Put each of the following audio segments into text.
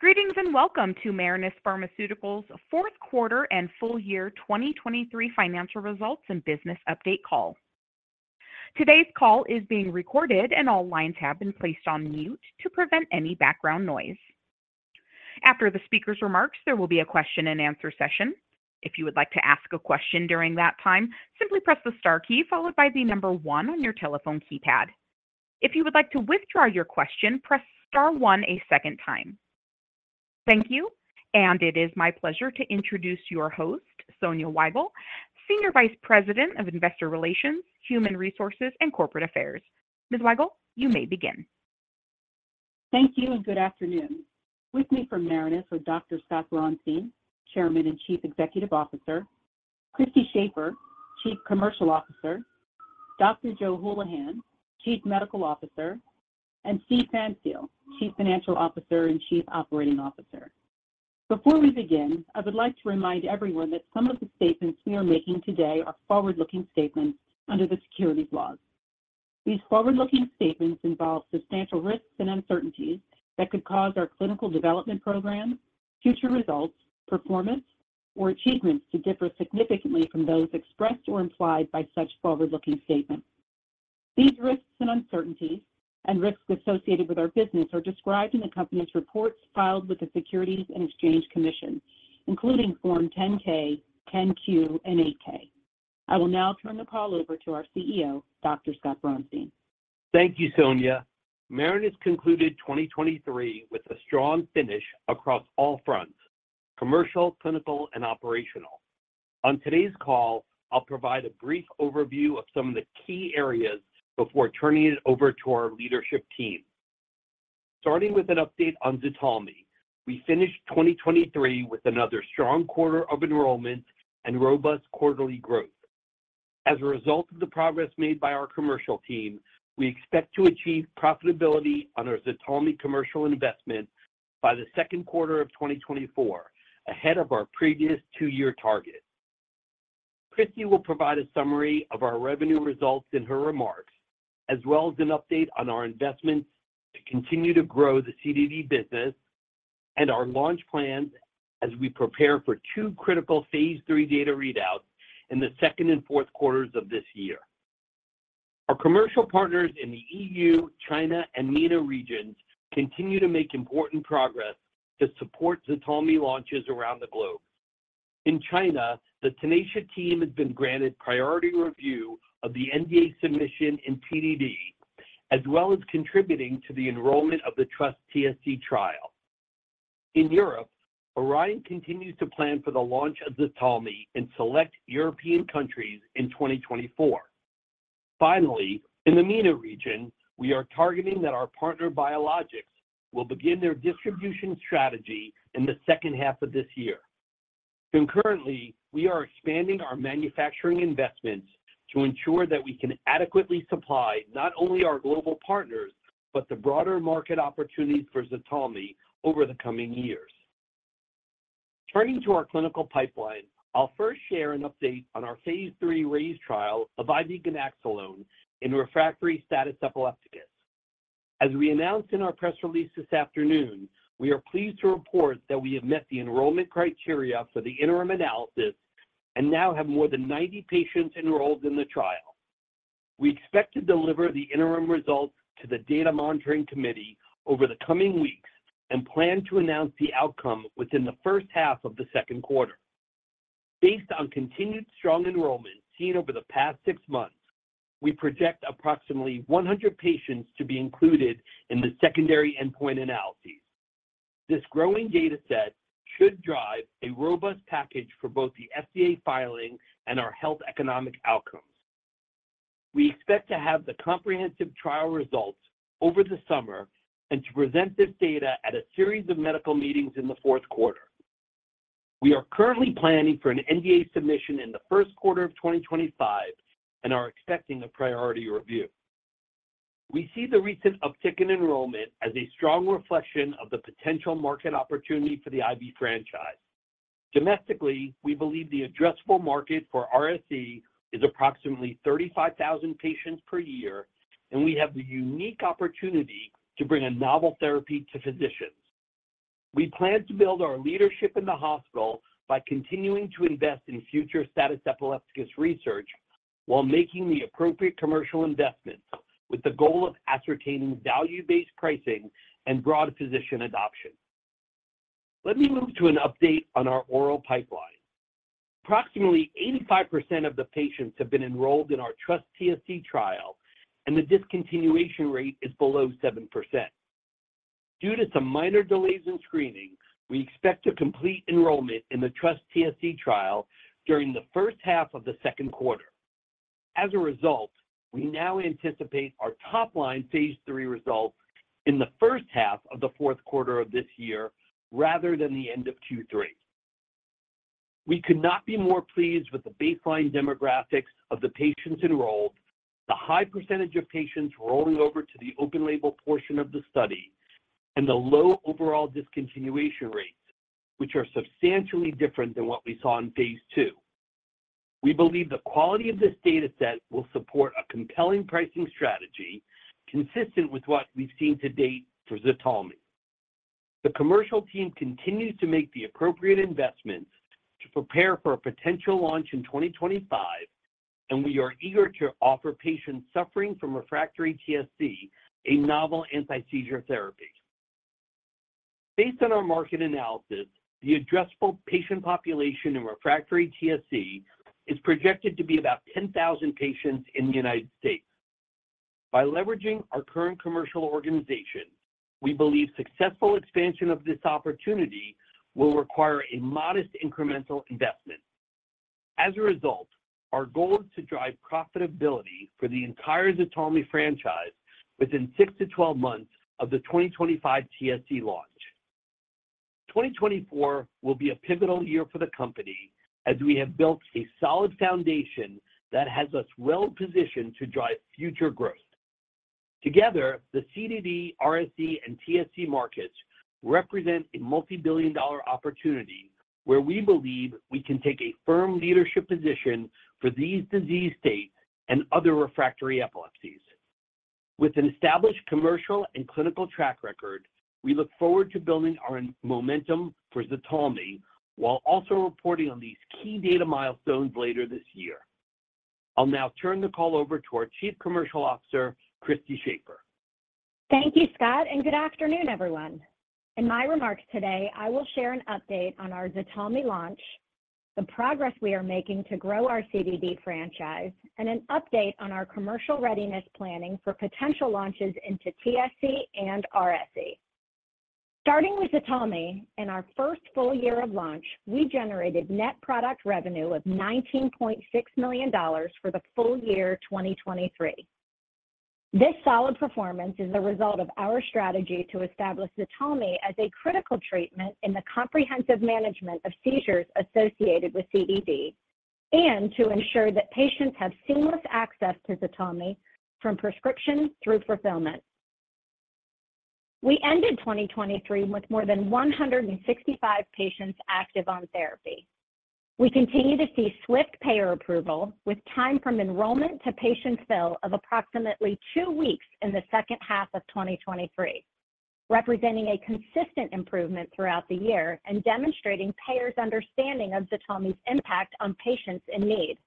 Greetings and welcome to Marinus Pharmaceuticals' Fourth Quarter and Full Year 2023 Financial Results and Business Update Call. Today's call is being recorded, and all lines have been placed on mute to prevent any background noise. After the speaker's remarks, there will be a question-and-answer session. If you would like to ask a question during that time, simply press the star key followed by the number one on your telephone keypad. If you would like to withdraw your question, press star one a second time. Thank you, and it is my pleasure to introduce your host, Sonya Weigle, Senior Vice President, Investor Relations, Human Resources & Corporate Affairs. Ms. Weigle, you may begin. Thank you and good afternoon. With me from Marinus are Dr. Scott Braunstein, Chairman and Chief Executive Officer, Christy Shafer, Chief Commercial Officer, Dr. Joe Hulihan, Chief Medical Officer, and Steven Pfanstiel, Chief Financial Officer and Chief Operating Officer. Before we begin, I would like to remind everyone that some of the statements we are making today are forward-looking statements under the securities laws. These forward-looking statements involve substantial risks and uncertainties that could cause our clinical development programs, future results, performance, or achievements to differ significantly from those expressed or implied by such forward-looking statements. These risks and uncertainties and risks associated with our business are described in the company's reports filed with the Securities and Exchange Commission, including Form 10-K, 10-Q, and 8-K. I will now turn the call over to our CEO, Dr. Scott Braunstein. Thank you, Sonya. Marinus concluded 2023 with a strong finish across all fronts: commercial, clinical and operational. On today's call, I'll provide a brief overview of some of the key areas before turning it over to our leadership team. Starting with an update on Ztalmy, we finished 2023 with another strong quarter of enrollment and robust quarterly growth. As a result of the progress made by our commercial team, we expect to achieve profitability on our Ztalmy commercial investment by the second quarter of 2024, ahead of our previous 2-year target. Christy will provide a summary of our revenue results in her remarks, as well as an update on our investments to continue to grow the CDD business and our launch plans as we prepare for 2 critical phase III data readouts in the second and fourth quarters of this year. Our commercial partners in the EU, China, and MENA regions continue to make important progress to support Ztalmy launches around the globe. In China, the Tenacia team has been granted priority review of the NDA submission in CDD, as well as contributing to the enrollment of the TRUST-TSC trial. In Europe, Orion continues to plan for the launch of Ztalmy in select European countries in 2024. Finally, in the MENA region, we are targeting that our partner, Biologix, will begin their distribution strategy in the second half of this year. Concurrently, we are expanding our manufacturing investments to ensure that we can adequately supply not only our global partners, but the broader market opportunities for Ztalmy over the coming years. Turning to our clinical pipeline, I'll first share an update on our phase III RAISE trial of IV ganaxolone in refractory status epilepticus. As we announced in our press release this afternoon, we are pleased to report that we have met the enrollment criteria for the interim analysis and now have more than 90 patients enrolled in the trial. We expect to deliver the interim results to the Data Monitoring Committee over the coming weeks and plan to announce the outcome within the first half of the second quarter. Based on continued strong enrollment seen over the past six months, we project approximately 100 patients to be included in the secondary endpoint analyses. This growing data set should drive a robust package for both the FDA filing and our health economic outcomes. We expect to have the comprehensive trial results over the summer and to present this data at a series of medical meetings in the fourth quarter. We are currently planning for an NDA submission in the first quarter of 2025 and are expecting a priority review. We see the recent uptick in enrollment as a strong reflection of the potential market opportunity for the IV franchise. Domestically, we believe the addressable market for RSE is approximately 35,000 patients per year, and we have the unique opportunity to bring a novel therapy to physicians. We plan to build our leadership in the hospital by continuing to invest in future status epilepticus research while making the appropriate commercial investments, with the goal of ascertaining value-based pricing and broad physician adoption. Let me move to an update on our oral pipeline. Approximately 85% of the patients have been enrolled in our TRUST-TSC trial, and the discontinuation rate is below 7%. Due to some minor delays in screening, we expect to complete enrollment in the TRUST-TSC trial during the first half of the second quarter. As a result, we now anticipate our top-line phase III results in the first half of the fourth quarter of this year rather than the end of Q3. We could not be more pleased with the baseline demographics of the patients enrolled, the high percentage of patients rolling over to the open label portion of the study, and the low overall discontinuation rates, which are substantially different than what we saw in phase II. We believe the quality of this data set will support a compelling pricing strategy consistent with what we've seen to date for Ztalmy. The commercial team continues to make the appropriate investments to prepare for a potential launch in 2025, and we are eager to offer patients suffering from refractory TSC a novel anti-seizure therapy. Based on our market analysis, the addressable patient population in refractory TSC is projected to be about 10,000 patients in the United States. By leveraging our current commercial organization, we believe successful expansion of this opportunity will require a modest incremental investment. As a result, our goal is to drive profitability for the entire Ztalmy franchise within 6 months-12 months of the 2025 TSC launch. 2024 will be a pivotal year for the company as we have built a solid foundation that has us well positioned to drive future growth. Together, the CDD, RSE, and TSC markets represent a multi-billion dollar opportunity, where we believe we can take a firm leadership position for these disease states and other refractory epilepsies. With an established commercial and clinical track record, we look forward to building our momentum for Ztalmy, while also reporting on these key data milestones later this year. I'll now turn the call over to our Chief Commercial Officer, Christy Shafer. Thank you, Scott, and good afternoon, everyone. In my remarks today, I will share an update on our Ztalmy launch, the progress we are making to grow our CDD franchise, and an update on our commercial readiness planning for potential launches into TSC and RSE. Starting with Ztalmy, in our first full year of launch, we generated net product revenue of $19.6 million for the full year 2023. This solid performance is a result of our strategy to establish Ztalmy as a critical treatment in the comprehensive management of seizures associated with CDD and to ensure that patients have seamless access to Ztalmy from prescription through fulfillment. We ended 2023 with more than 165 patients active on therapy. We continue to see swift payer approval, with time from enrollment to patient fill of approximately 2 weeks in the second half of 2023, representing a consistent improvement throughout the year and demonstrating payers' understanding of Ztalmy's impact on patients in need.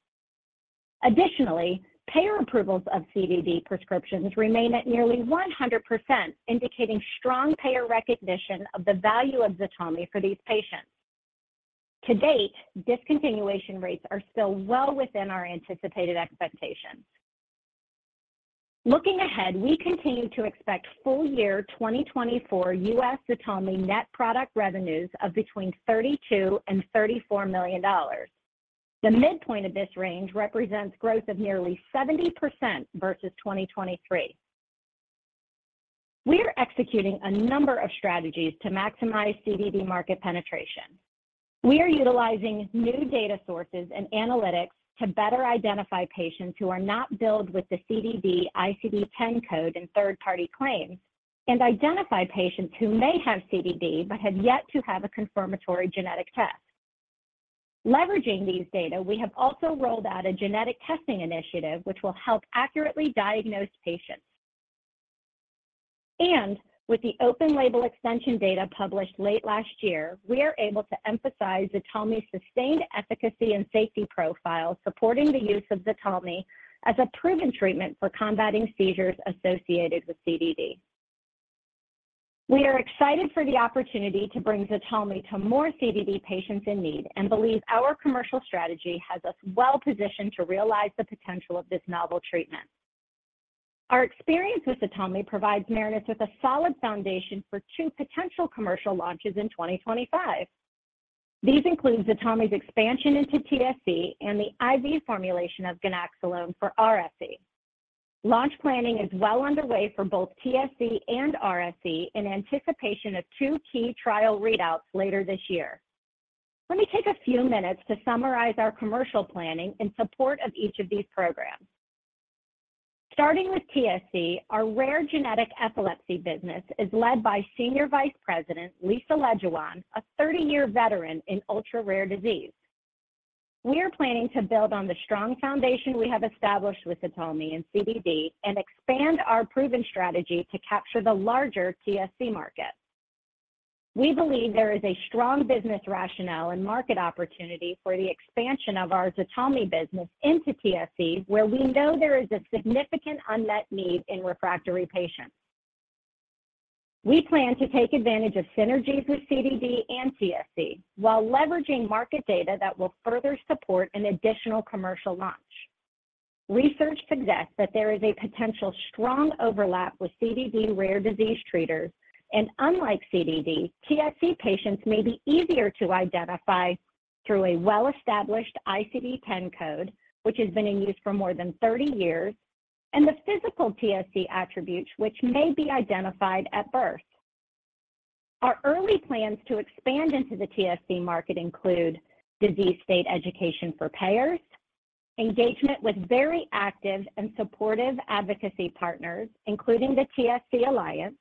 Additionally, payer approvals of CDD prescriptions remain at nearly 100%, indicating strong payer recognition of the value of Ztalmy for these patients. To date, discontinuation rates are still well within our anticipated expectations. Looking ahead, we continue to expect full year 2024 U.S. Ztalmy net product revenues of between $32 million and $34 million. The midpoint of this range represents growth of nearly 70% versus 2023. We are executing a number of strategies to maximize CDD market penetration. We are utilizing new data sources and analytics to better identify patients who are not billed with the CDD ICD-10 code in third-party claims and identify patients who may have CDD, but have yet to have a confirmatory genetic test. Leveraging these data, we have also rolled out a genetic testing initiative, which will help accurately diagnose patients. And with the open label extension data published late last year, we are able to emphasize Ztalmy's sustained efficacy and safety profile, supporting the use of Ztalmy as a proven treatment for combating seizures associated with CDD. We are excited for the opportunity to bring Ztalmy to more CDD patients in need and believe our commercial strategy has us well positioned to realize the potential of this novel treatment. Our experience with Ztalmy provides Marinus with a solid foundation for two potential commercial launches in 2025. These include Ztalmy's expansion into TSC and the IV formulation of ganaxolone for RSE. Launch planning is well underway for both TSC and RSE in anticipation of two key trial readouts later this year. Let me take a few minutes to summarize our commercial planning in support of each of these programs. Starting with TSC, our rare genetic epilepsy business is led by Senior Vice President Lisa LeJeune, a 30-year veteran in ultra-rare disease. We are planning to build on the strong foundation we have established with Ztalmy and CDD and expand our proven strategy to capture the larger TSC market. We believe there is a strong business rationale and market opportunity for the expansion of our Ztalmy business into TSC, where we know there is a significant unmet need in refractory patients. We plan to take advantage of synergies with CDD and TSC while leveraging market data that will further support an additional commercial launch. Research suggests that there is a potential strong overlap with CDD rare disease treaters, and unlike CDD, TSC patients may be easier to identify through a well-established ICD-10 code, which has been in use for more than 30 years, and the physical TSC attributes, which may be identified at birth. Our early plans to expand into the TSC market include disease state education for payers, engagement with very active and supportive advocacy partners, including the TSC Alliance.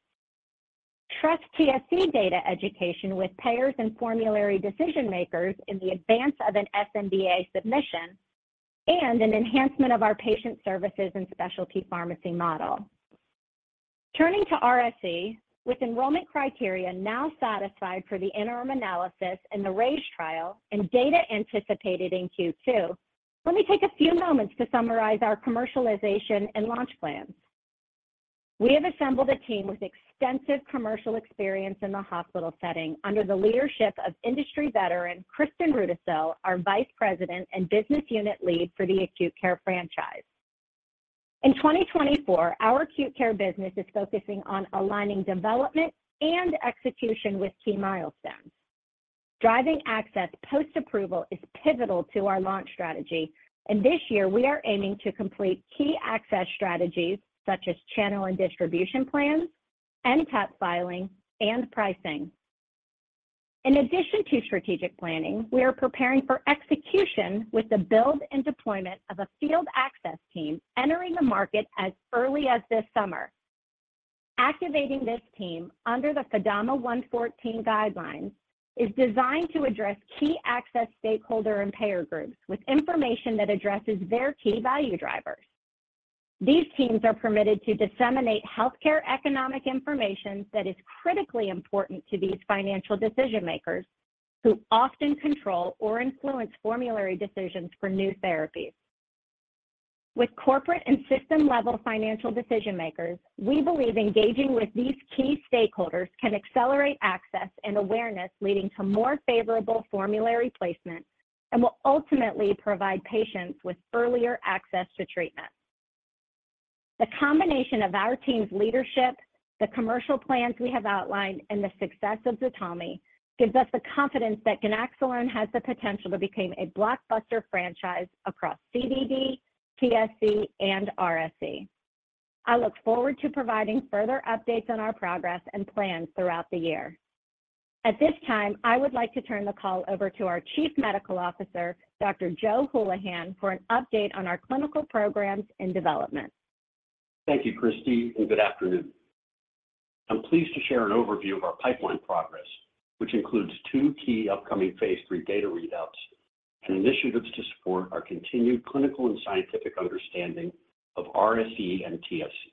TRUST-TSC data education with payers and formulary decision makers in advance of an sNDA submission, and an enhancement of our patient services and specialty pharmacy model. Turning to RSE, with enrollment criteria now satisfied for the interim analysis and the RAISE trial, and data anticipated in Q2, let me take a few moments to summarize our commercialization and launch plans. We have assembled a team with extensive commercial experience in the hospital setting under the leadership of industry veteran, Kristin Rudisill, our Vice President and Business Unit Lead for the Acute Care Franchise. In 2024, our acute care business is focusing on aligning development and execution with key milestones. Driving access post-approval is pivotal to our launch strategy, and this year, we are aiming to complete key access strategies such as channel and distribution plans, NTAP filing, and pricing. In addition to strategic planning, we are preparing for execution with the build and deployment of a field access team, entering the market as early as this summer. Activating this team under the FDAMA 114 guidelines is designed to address key access stakeholder and payer groups with information that addresses their key value drivers. These teams are permitted to disseminate healthcare economic information that is critically important to these financial decision-makers, who often control or influence formulary decisions for new therapies. With corporate and system-level financial decision makers, we believe engaging with these key stakeholders can accelerate access and awareness, leading to more favorable formulary placements, and will ultimately provide patients with earlier access to treatment. The combination of our team's leadership, the commercial plans we have outlined, and the success of Ztalmy, gives us the confidence that ganaxolone has the potential to become a blockbuster franchise across CDD, TSC, and RSE. I look forward to providing further updates on our progress and plans throughout the year. At this time, I would like to turn the call over to our Chief Medical Officer, Dr. Joe Hulihan, for an update on our clinical programs and development. Thank you, Christy, and good afternoon. I'm pleased to share an overview of our pipeline progress, which includes two key upcoming phase III data readouts and initiatives to support our continued clinical and scientific understanding of RSE and TSC.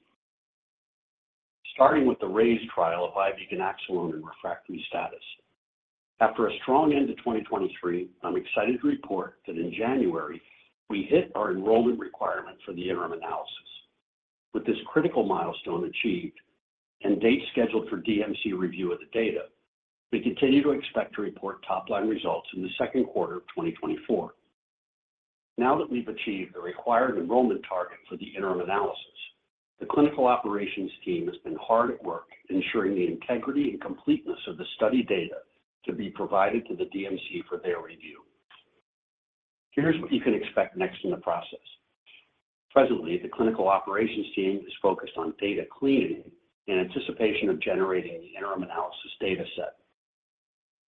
Starting with the RAISE trial of IV ganaxolone and refractory status. After a strong end to 2023, I'm excited to report that in January, we hit our enrollment requirement for the interim analysis. With this critical milestone achieved and date scheduled for DMC review of the data, we continue to expect to report top-line results in the second quarter of 2024. Now that we've achieved the required enrollment target for the interim analysis, the clinical operations team has been hard at work ensuring the integrity and completeness of the study data to be provided to the DMC for their review. Here's what you can expect next in the process. Presently, the clinical operations team is focused on data cleaning in anticipation of generating the interim analysis data set.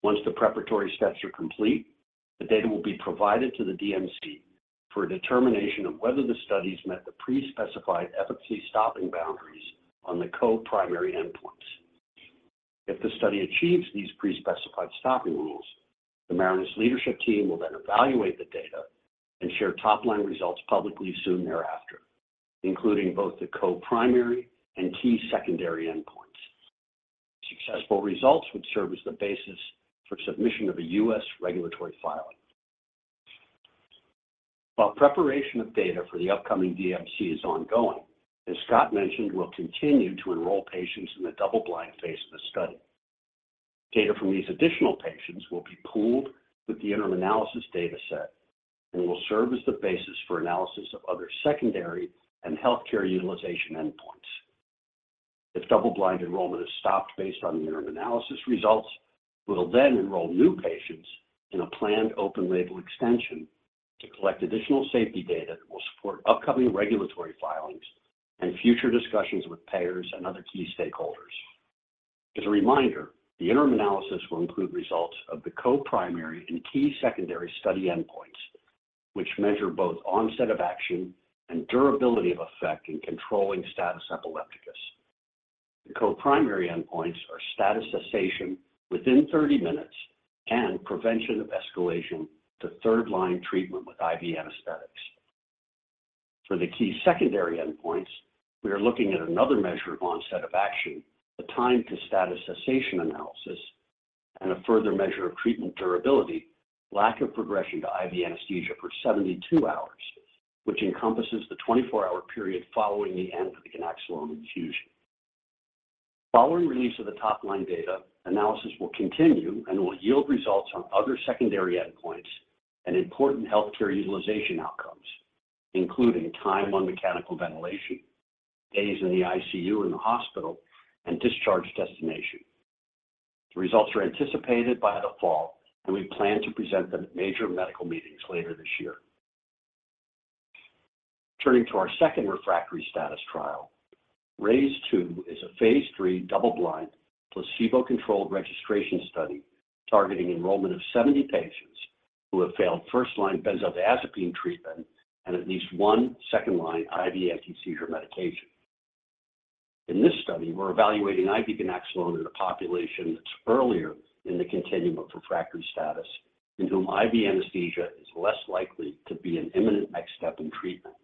Once the preparatory steps are complete, the data will be provided to the DMC for a determination of whether the studies met the pre-specified efficacy stopping boundaries on the co-primary endpoints. If the study achieves these pre-specified stopping rules, the Marinus leadership team will then evaluate the data and share top-line results publicly soon thereafter, including both the co-primary and key secondary endpoints. Successful results would serve as the basis for submission of a U.S. regulatory filing. While preparation of data for the upcoming DMC is ongoing, as Scott mentioned, we'll continue to enroll patients in the double-blind phase of the study. Data from these additional patients will be pooled with the interim analysis data set and will serve as the basis for analysis of other secondary and healthcare utilization endpoints. If double-blind enrollment is stopped based on the interim analysis results, we'll then enroll new patients in a planned open-label extension to collect additional safety data that will support upcoming regulatory filings and future discussions with payers and other key stakeholders. As a reminder, the interim analysis will include results of the co-primary and key secondary study endpoints, which measure both onset of action and durability of effect in controlling status epilepticus. The co-primary endpoints are status cessation within 30 minutes and prevention of escalation to third-line treatment with IV anesthetics. For the key secondary endpoints, we are looking at another measure of onset of action, the time to status cessation analysis, and a further measure of treatment durability, lack of progression to IV anesthesia for 72 hours, which encompasses the 24-hour period following the end of the ganaxolone infusion. Following release of the top-line data, analysis will continue and will yield results on other secondary endpoints and important healthcare utilization outcomes, including time on mechanical ventilation, days in the ICU in the hospital, and discharge destination. The results are anticipated by the fall, and we plan to present them at major medical meetings later this year. Turning to our second refractory status trial, RAISE-2 is a phase III double-blind, placebo-controlled registration study targeting enrollment of 70 patients who have failed first-line benzodiazepine treatment and at least one second-line IV anti-seizure medication. In this study, we're evaluating IV ganaxolone in a population that's earlier in the continuum of refractory status, in whom IV anesthesia is less likely to be an imminent next step in treatment.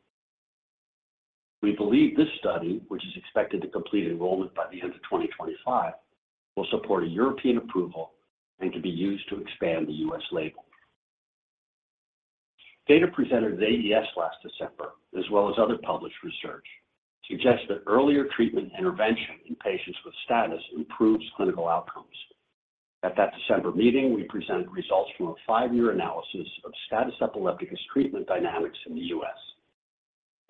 We believe this study, which is expected to complete enrollment by the end of 2025, will support a European approval and can be used to expand the U.S. label. Data presented at AES last December, as well as other published research, suggests that earlier treatment intervention in patients with status improves clinical outcomes. At that December meeting, we presented results from a 5-year analysis of status epilepticus treatment dynamics in the U.S.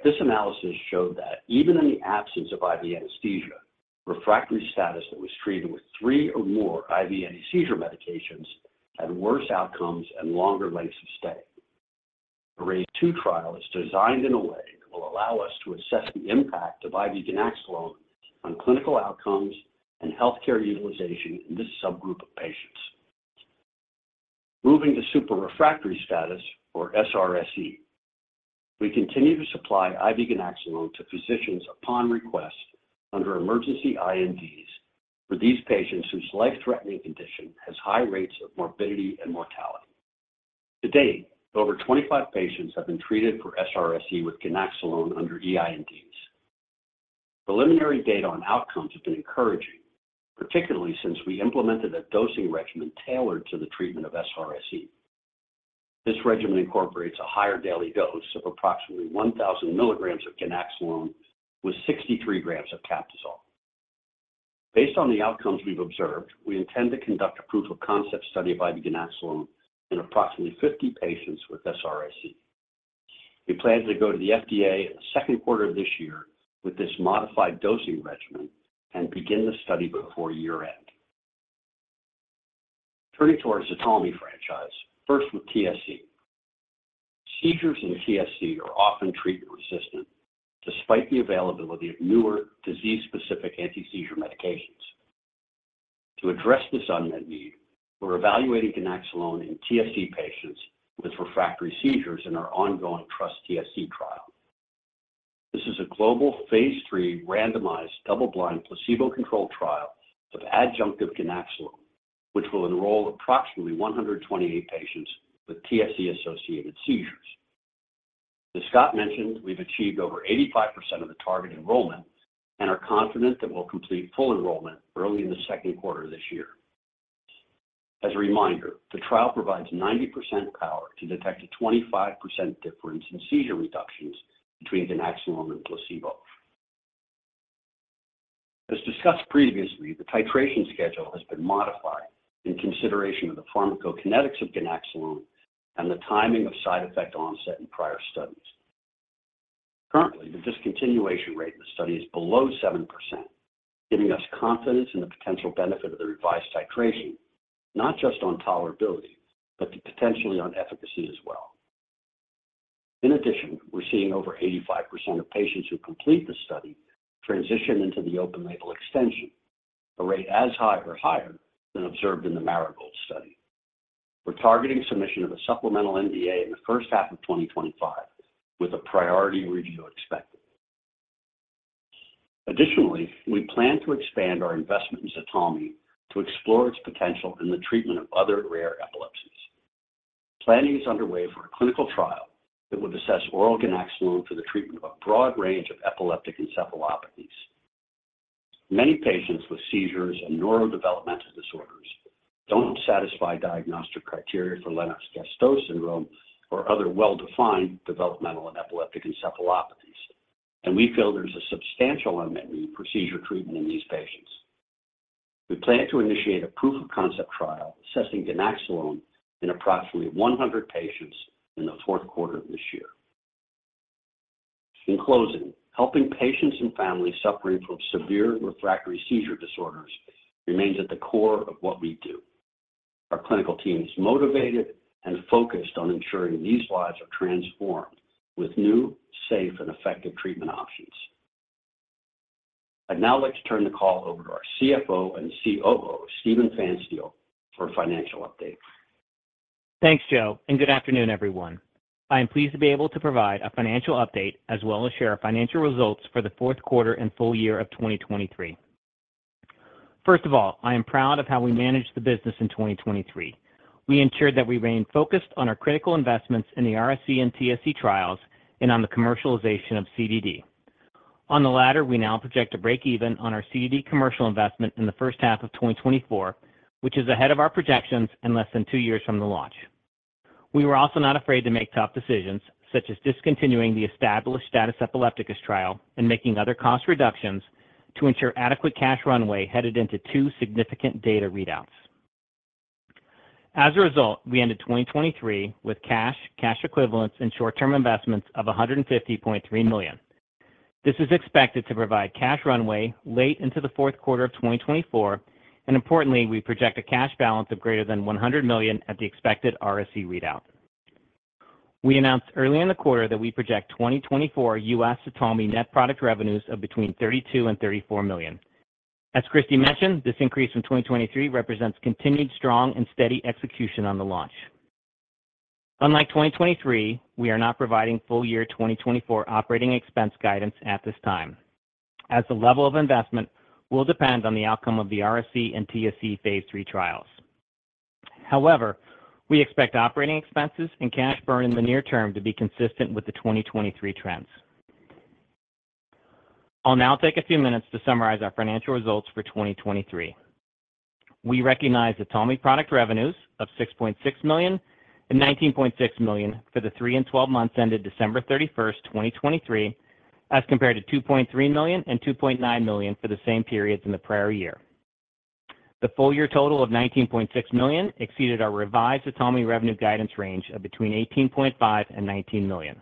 This analysis showed that even in the absence of IV anesthesia, refractory status that was treated with two or more IV antiseizure medications had worse outcomes and longer lengths of stay. The RAISE II trial is designed in a way that will allow us to assess the impact of IV ganaxolone on clinical outcomes and healthcare utilization in this subgroup of patients. Moving to super refractory status, or SRSE, we continue to supply IV ganaxolone to physicians upon request under emergency INDs for these patients, whose life-threatening condition has high rates of morbidity and mortality. To date, over 25 patients have been treated for SRSE with ganaxolone under EINDs. Preliminary data on outcomes have been encouraging, particularly since we implemented a dosing regimen tailored to the treatment of SRSE. This regimen incorporates a higher daily dose of approximately 1,000 milligrams of ganaxolone with 63 grams of Captisol. Based on the outcomes we've observed, we intend to conduct a proof of concept study of IV ganaxolone in approximately 50 patients with SRSE. We plan to go to the FDA in the second quarter of this year with this modified dosing regimen and begin the study before year-end. Turning to our Ztalmy franchise, first with TSC. Seizures in TSC are often treatment resistant, despite the availability of newer disease-specific anti-seizure medications. To address this unmet need, we're evaluating ganaxolone in TSC patients with refractory seizures in our ongoing TRUST-TSC trial. This is a global, phase III, randomized, double-blind, placebo-controlled trial of adjunctive ganaxolone, which will enroll approximately 128 patients with TSC-associated seizures. As Scott mentioned, we've achieved over 85% of the target enrollment and are confident that we'll complete full enrollment early in the second quarter of this year. As a reminder, the trial provides 90% power to detect a 25% difference in seizure reductions between ganaxolone and placebo. As discussed previously, the titration schedule has been modified in consideration of the pharmacokinetics of ganaxolone and the timing of side effect onset in prior studies. Currently, the discontinuation rate in the study is below 7%, giving us confidence in the potential benefit of the revised titration, not just on tolerability, but potentially on efficacy as well. In addition, we're seeing over 85% of patients who complete the study transition into the open label extension, a rate as high or higher than observed in the Marigold study. We're targeting submission of a supplemental NDA in the first half of 2025, with a priority review expected. Additionally, we plan to expand our investment in Ztalmy to explore its potential in the treatment of other rare epilepsies. Planning is underway for a clinical trial that would assess oral ganaxolone for the treatment of a broad range of epileptic encephalopathies. Many patients with seizures and neurodevelopmental disorders don't satisfy diagnostic criteria for Lennox-Gastaut syndrome or other well-defined developmental and epileptic encephalopathies, and we feel there's a substantial unmet need for seizure treatment in these patients. We plan to initiate a proof of concept trial assessing ganaxolone in approximately 100 patients in the fourth quarter of this year. In closing, helping patients and families suffering from severe refractory seizure disorders remains at the core of what we do. Our clinical team is motivated and focused on ensuring these lives are transformed with new, safe, and effective treatment options. I'd now like to turn the call over to our CFO and COO, Steven Pfanstiel, for a financial update. Thanks, Joe, and good afternoon, everyone. I am pleased to be able to provide a financial update as well as share our financial results for the fourth quarter and full year of 2023. First of all, I am proud of how we managed the business in 2023. We ensured that we remained focused on our critical investments in the RSC and TSC trials and on the commercialization of CDD. On the latter, we now project a break-even on our CDD commercial investment in the first half of 2024, which is ahead of our projections and less than two years from the launch. We were also not afraid to make tough decisions, such as discontinuing the established status epilepticus trial and making other cost reductions, to ensure adequate cash runway headed into two significant data readouts. As a result, we ended 2023 with cash, cash equivalents and short-term investments of $150.3 million. This is expected to provide cash runway late into the fourth quarter of 2024, and importantly, we project a cash balance of greater than $100 million at the expected RSE readout. We announced early in the quarter that we project 2024 US Ztalmy net product revenues of between $32 million and $34 million. As Christy mentioned, this increase from 2023 represents continued strong and steady execution on the launch. Unlike 2023, we are not providing full year 2024 operating expense guidance at this time, as the level of investment will depend on the outcome of the RSE and TSC phase III trials. However, we expect operating expenses and cash burn in the near term to be consistent with the 2023 trends. I'll now take a few minutes to summarize our financial results for 2023. We recognize the Ztalmy product revenues of $6.6 million and $19.6 million for the three and twelve months ended December thirty-first, 2023, as compared to $2.3 million and $2.9 million for the same periods in the prior year. The full year total of $19.6 million exceeded our revised Ztalmy revenue guidance range of between $18.5 million and $19 million.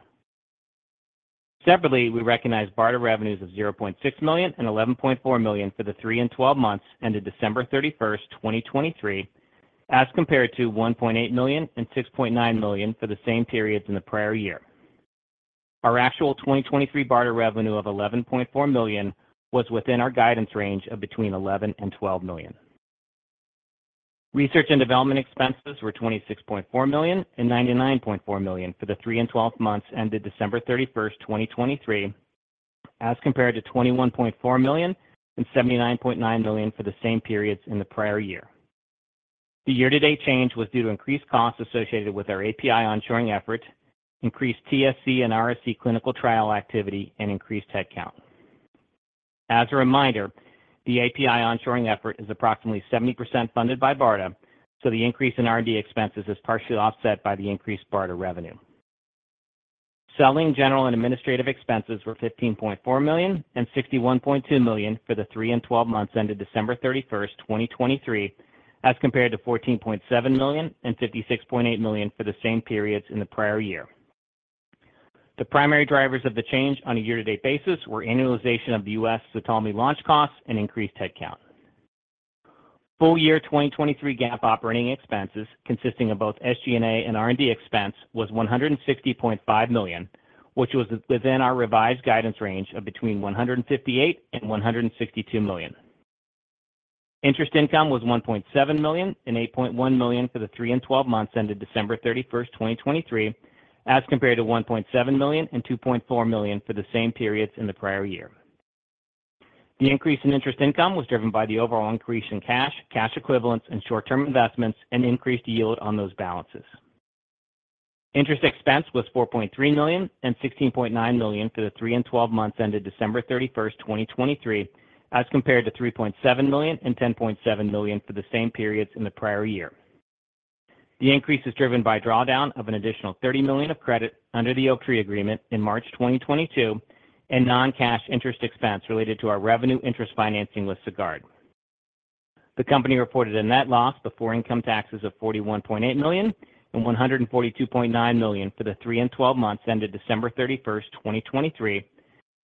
Separately, we recognized BARDA revenues of $0.6 million and $11.4 million for the three and twelve months ended December thirty-first, 2023, as compared to $1.8 million and $6.9 million for the same periods in the prior year. Our actual 2023 BARDA revenue of $11.4 million was within our guidance range of between $11 million and $12 million. Research and development expenses were $26.4 million and $99.4 million for the 3 and 12 months ended December 31, 2023, as compared to $21.4 million and $79.9 million for the same periods in the prior year. The year-to-date change was due to increased costs associated with our API onshoring effort, increased TSC and RSE clinical trial activity, and increased headcount. As a reminder, the API onshoring effort is approximately 70% funded by BARDA, so the increase in R&D expenses is partially offset by the increased BARDA revenue. Selling, general, and administrative expenses were $15.4 million and $61.2 million for the three and twelve months ended December 31st, 2023, as compared to $14.7 million and $56.8 million for the same periods in the prior year. The primary drivers of the change on a year-to-date basis were annualization of the U.S. Ztalmy launch costs and increased headcount. Full year 2023 GAAP operating expenses, consisting of both SG&A and R&D expense, was $160.5 million, which was within our revised guidance range of between $158 million and $162 million. Interest income was $1.7 million and $8.1 million for the three and twelve months ended December 31st, 2023, as compared to $1.7 million and $2.4 million for the same periods in the prior year. The increase in interest income was driven by the overall increase in cash, cash equivalents, and short-term investments, and increased yield on those balances. Interest expense was $4.3 million and $16.9 million for the three and twelve months ended December 31st, 2023, as compared to $3.7 million and $10.7 million for the same periods in the prior year. The increase is driven by drawdown of an additional $30 million of credit under the Oaktree agreement in March 2022, and non-cash interest expense related to our revenue interest financing with Sagard. The company reported a net loss before income taxes of $41.8 million and $142.9 million for the three and twelve months ended December 31, 2023,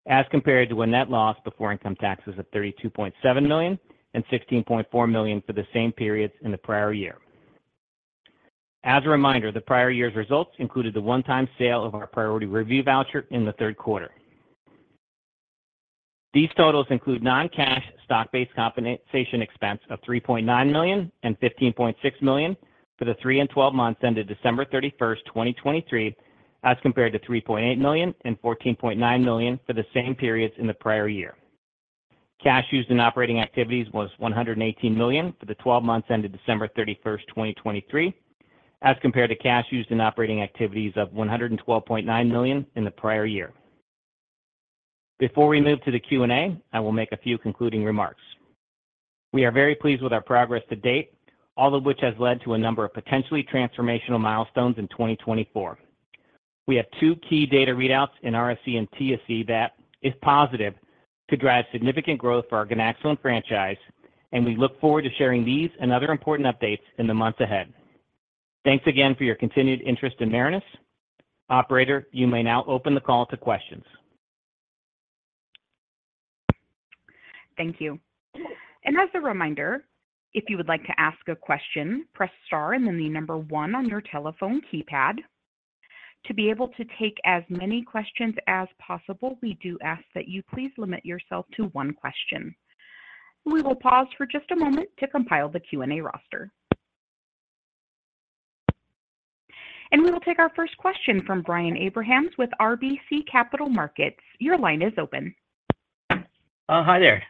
as compared to a net loss before income taxes of $32.7 million and $16.4 million for the same periods in the prior year. As a reminder, the prior year's results included the one-time sale of our priority review voucher in the third quarter. These totals include non-cash stock-based compensation expense of $3.9 million and $15.6 million for the three and twelve months ended December 31st, 2023, as compared to $3.8 million and $14.9 million for the same periods in the prior year. Cash used in operating activities was $118 million for the 12 months ended December 31st, 2023, as compared to cash used in operating activities of $112.9 million in the prior year. Before we move to the Q&A, I will make a few concluding remarks. We are very pleased with our progress to date, all of which has led to a number of potentially transformational milestones in 2024. We have two key data readouts in RSE and TSC that, if positive, could drive significant growth for our ganaxolone franchise, and we look forward to sharing these and other important updates in the months ahead. Thanks again for your continued interest in Marinus. Operator, you may now open the call to questions. Thank you. As a reminder, if you would like to ask a question, press star and then the number one on your telephone keypad. To be able to take as many questions as possible, we do ask that you please limit yourself to one question. We will pause for just a moment to compile the Q&A roster. We will take our first question from Brian Abrahams with RBC Capital Markets. Your line is open. Hi there.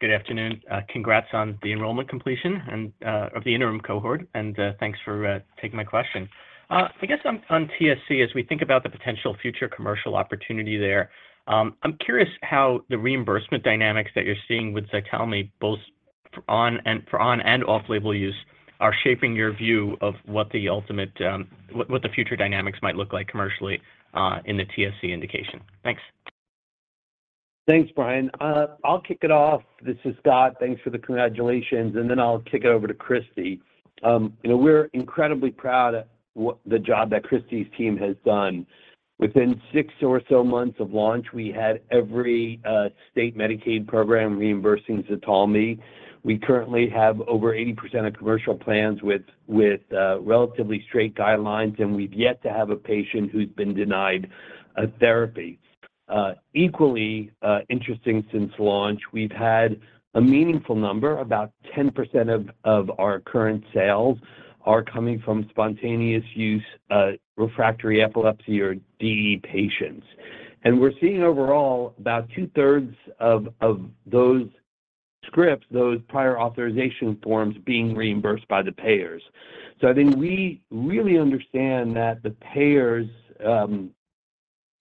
Good afternoon. Congrats on the enrollment completion and of the interim cohort, and thanks for taking my question. I guess on TSC, as we think about the potential future commercial opportunity there, I'm curious how the reimbursement dynamics that you're seeing with Ztalmy, both for on- and off-label use, are shaping your view of what the ultimate, what the future dynamics might look like commercially, in the TSC indication. Thanks.... Thanks, Brian. I'll kick it off. This is Scott. Thanks for the congratulations, and then I'll kick it over to Christy. You know, we're incredibly proud of what the job that Christy's team has done. Within 6 or so months of launch, we had every state Medicaid program reimbursing Ztalmy. We currently have over 80% of commercial plans with relatively straight guidelines, and we've yet to have a patient who's been denied a therapy. Equally interesting, since launch, we've had a meaningful number, about 10% of our current sales are coming from spontaneous use, refractory epilepsy or DE patients. And we're seeing overall, about two-thirds of those scripts, those prior authorization forms, being reimbursed by the payers. So I think we really understand that the payers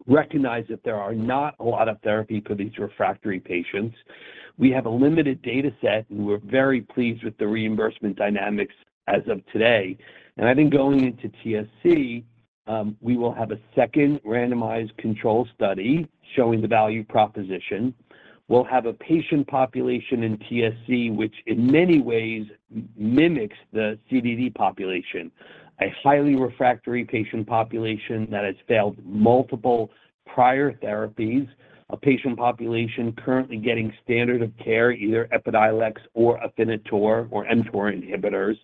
recognize that there are not a lot of therapy for these refractory patients. We have a limited data set, and we're very pleased with the reimbursement dynamics as of today. I think going into TSC, we will have a second randomized control study showing the value proposition. We'll have a patient population in TSC, which in many ways mimics the CDD population, a highly refractory patient population that has failed multiple prior therapies, a patient population currently getting standard of care, either Epidiolex or Afinitor or mTOR inhibitors.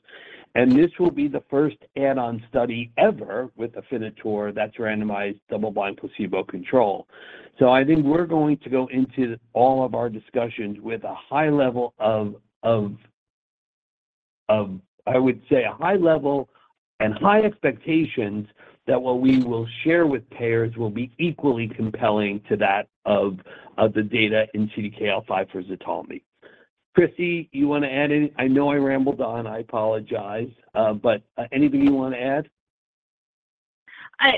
This will be the first add-on study ever with Afinitor that's randomized double-blind placebo control. So I think we're going to go into all of our discussions with a high level of, I would say, a high level and high expectations that what we will share with payers will be equally compelling to that of the data in CDKL5 for Ztalmy. Christy, you want to add any? I know I rambled on, I apologize, but anything you want to add?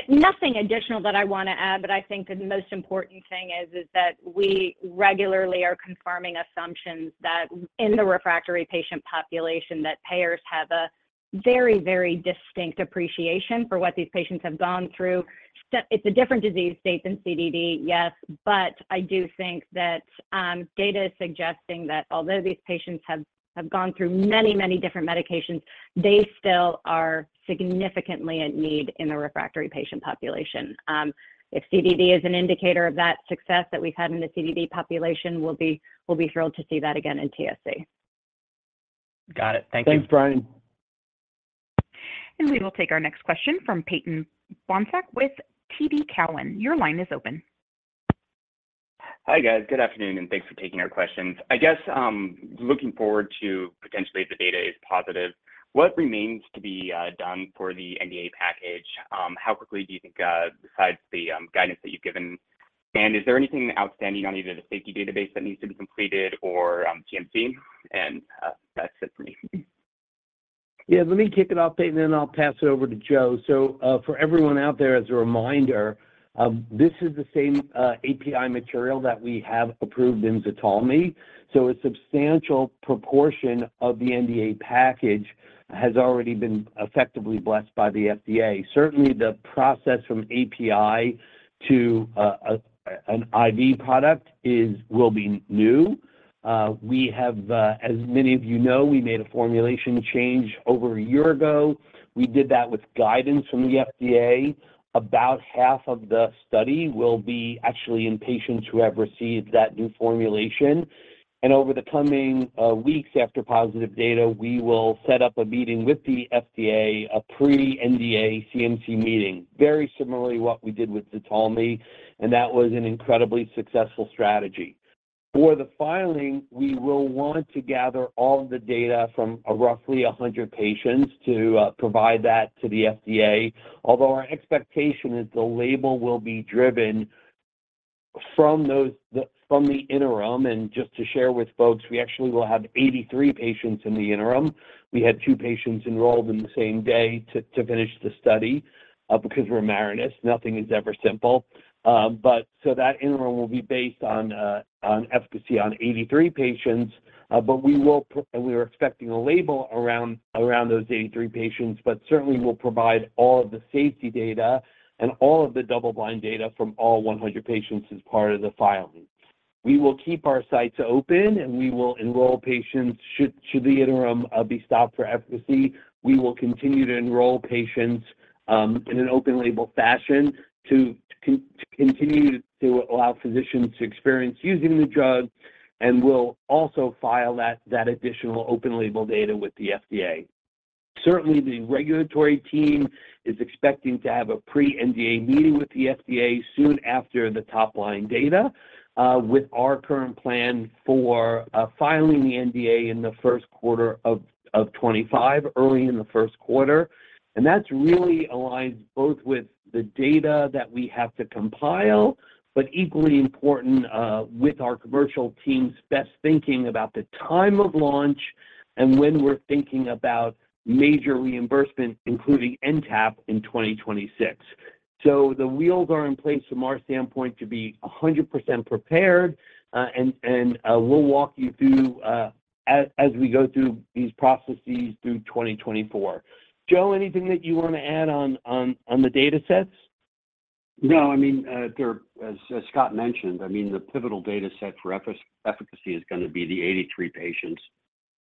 Nothing additional that I want to add, but I think the most important thing is that we regularly are confirming assumptions that in the refractory patient population, payers have a very, very distinct appreciation for what these patients have gone through. So it's a different disease state than CDD, yes, but I do think that data is suggesting that although these patients have gone through many, many different medications, they still are significantly at need in the refractory patient population. If CDD is an indicator of that success that we've had in the CDD population, we'll be thrilled to see that again in TSC. Got it. Thank you. Thanks, Brian. We will take our next question from Peyton Wansak with TD Cowen. Your line is open. Hi, guys. Good afternoon, and thanks for taking our questions. I guess, looking forward to potentially if the data is positive, what remains to be, done for the NDA package? How quickly do you think, besides the, guidance that you've given? And is there anything outstanding on either the safety database that needs to be completed or, CMC? And, that's it for me. Yeah, let me kick it off, Peyton, and then I'll pass it over to Joe. So, for everyone out there, as a reminder, this is the same API material that we have approved in Ztalmy, so a substantial proportion of the NDA package has already been effectively blessed by the FDA. Certainly, the process from API to an IV product will be new. As many of you know, we made a formulation change over a year ago. We did that with guidance from the FDA. About half of the study will actually be in patients who have received that new formulation, and over the coming weeks after positive data, we will set up a meeting with the FDA, a pre-NDA CMC meeting, very similarly, what we did with Ztalmy, and that was an incredibly successful strategy. For the filing, we will want to gather all of the data from roughly 100 patients to provide that to the FDA. Although our expectation is the label will be driven from those from the interim, and just to share with folks, we actually will have 83 patients in the interim. We had two patients enrolled in the same day to finish the study, because we're Marinus, nothing is ever simple. But so that interim will be based on efficacy on 83 patients, but we will and we are expecting a label around those 83 patients. But certainly, we'll provide all of the safety data and all of the double-blind data from all 100 patients as part of the filing. We will keep our sites open, and we will enroll patients, should the interim be stopped for efficacy, we will continue to enroll patients, in an open-label fashion to continue to allow physicians to experience using the drug, and we'll also file that additional open-label data with the FDA. Certainly, the regulatory team is expecting to have a pre-NDA meeting with the FDA soon after the top-line data, with our current plan for filing the NDA in the first quarter of 25, early in the first quarter. And that's really aligns both with the data that we have to compile, but equally important, with our commercial team's best thinking about the time of launch and when we're thinking about major reimbursement, including NTAP in 2026. So the wheels are in place from our standpoint to be 100% prepared, and we'll walk you through as we go through these processes through 2024. Joe, anything that you want to add on the data set? No, I mean, there, as Scott mentioned, I mean, the pivotal data set for efficacy is gonna be the 83 patients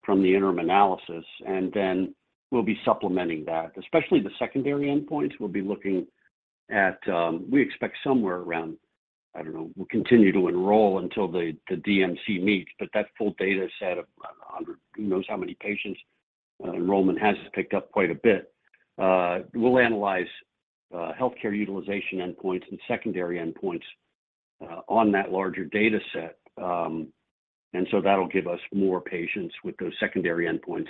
from the interim analysis, and then we'll be supplementing that. Especially the secondary endpoints, we'll be looking at. We expect somewhere around, I don't know, we'll continue to enroll until the DMC meets, but that full data set of 100, who knows how many patients, enrollment has picked up quite a bit. We'll analyze healthcare utilization endpoints and secondary endpoints on that larger dataset. And so that'll give us more patients with those secondary endpoints,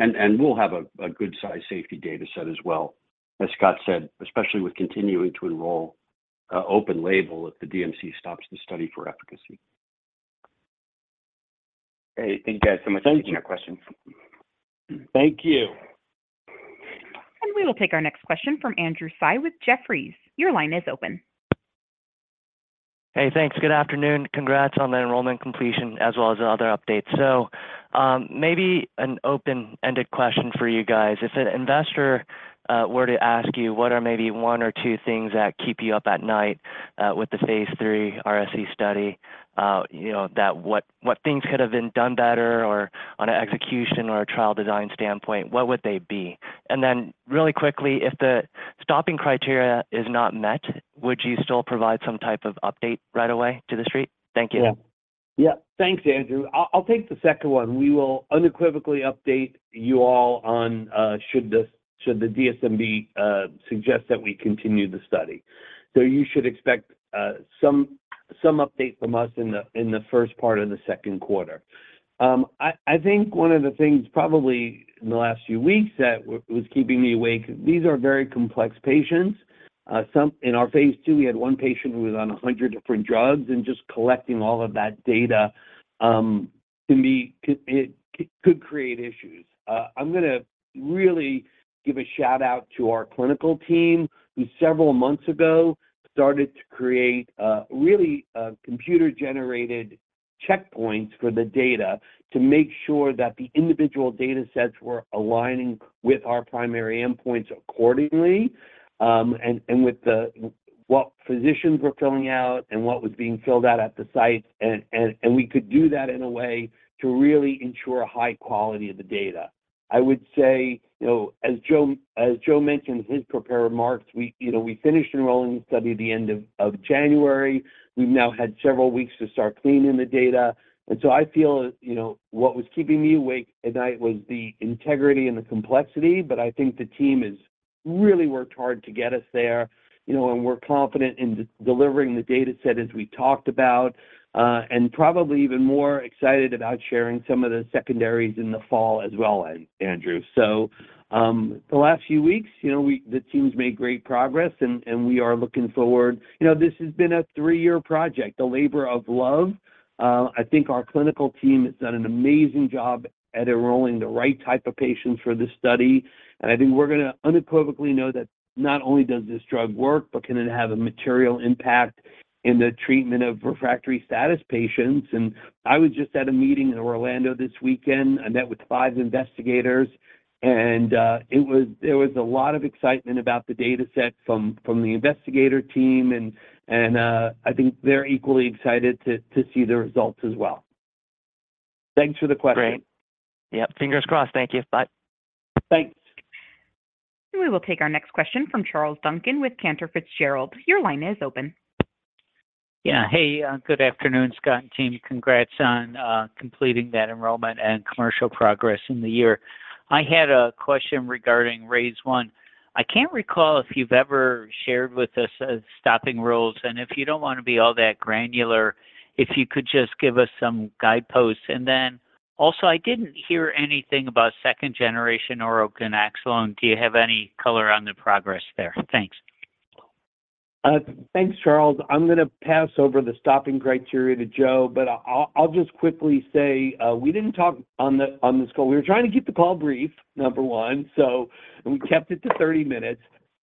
and we'll have a good size safety data set as well. As Scott said, especially with continuing to enroll open label if the DMC stops the study for efficacy. Hey, thank you, guys, so much- Thank you. for taking our questions. Thank you. We will take our next question from Andrew Tsai with Jefferies. Your line is open. Hey, thanks. Good afternoon. Congrats on the enrollment completion as well as the other updates. So, maybe an open-ended question for you guys. If an investor were to ask you, what are maybe one or two things that keep you up at night with the phase III RSE study, you know, that what, what things could have been done better or on an execution or a trial design standpoint, what would they be? And then really quickly, if the stopping criteria is not met, would you still provide some type of update right away to the street? Thank you. Yeah. Yeah. Thanks, Andrew. I'll take the second one. We will unequivocally update you all on should the DSMB suggest that we continue the study. So you should expect some update from us in the first part of the second quarter. I think one of the things probably in the last few weeks that was keeping me awake, these are very complex patients. Some in our phase II, we had one patient who was on 100 different drugs, and just collecting all of that data can be, it could create issues. I'm gonna really give a shout-out to our clinical team, who several months ago started to create, really, computer-generated checkpoints for the data to make sure that the individual datasets were aligning with our primary endpoints accordingly, and, and with the, what physicians were filling out and what was being filled out at the sites, and, and, and we could do that in a way to really ensure high quality of the data. I would say, you know, as Joe, as Joe mentioned in his prepared remarks, we, you know, we finished enrolling the study at the end of January. We've now had several weeks to start cleaning the data, and so I feel, you know, what was keeping me awake at night was the integrity and the complexity, but I think the team has really worked hard to get us there. You know, and we're confident in delivering the dataset as we talked about, and probably even more excited about sharing some of the secondaries in the fall as well, Andrew. So, the last few weeks, you know, the team's made great progress, and we are looking forward... You know, this has been a three-year project, a labor of love. I think our clinical team has done an amazing job at enrolling the right type of patients for this study, and I think we're gonna unequivocally know that not only does this drug work, but can it have a material impact in the treatment of refractory status patients. And I was just at a meeting in Orlando this weekend. I met with five investigators, and it was, there was a lot of excitement about the dataset from the investigator team, and I think they're equally excited to see the results as well. Thanks for the question. Great. Yep, fingers crossed. Thank you. Bye. Thanks. We will take our next question from Charles Duncan with Cantor Fitzgerald. Your line is open. Yeah. Hey, good afternoon, Scott and team. Congrats on completing that enrollment and commercial progress in the year. I had a question regarding RAISE I granular, if you could just give us some guideposts. And then, also, I didn't hear anything about second-generation oral ganaxolone. Do you have any color on the progress there? Thanks. Thanks, Charles. I'm gonna pass over the stopping criteria to Joe, but I'll just quickly say, we didn't talk on this call. We were trying to keep the call brief, number one, so we kept it to 30 minutes.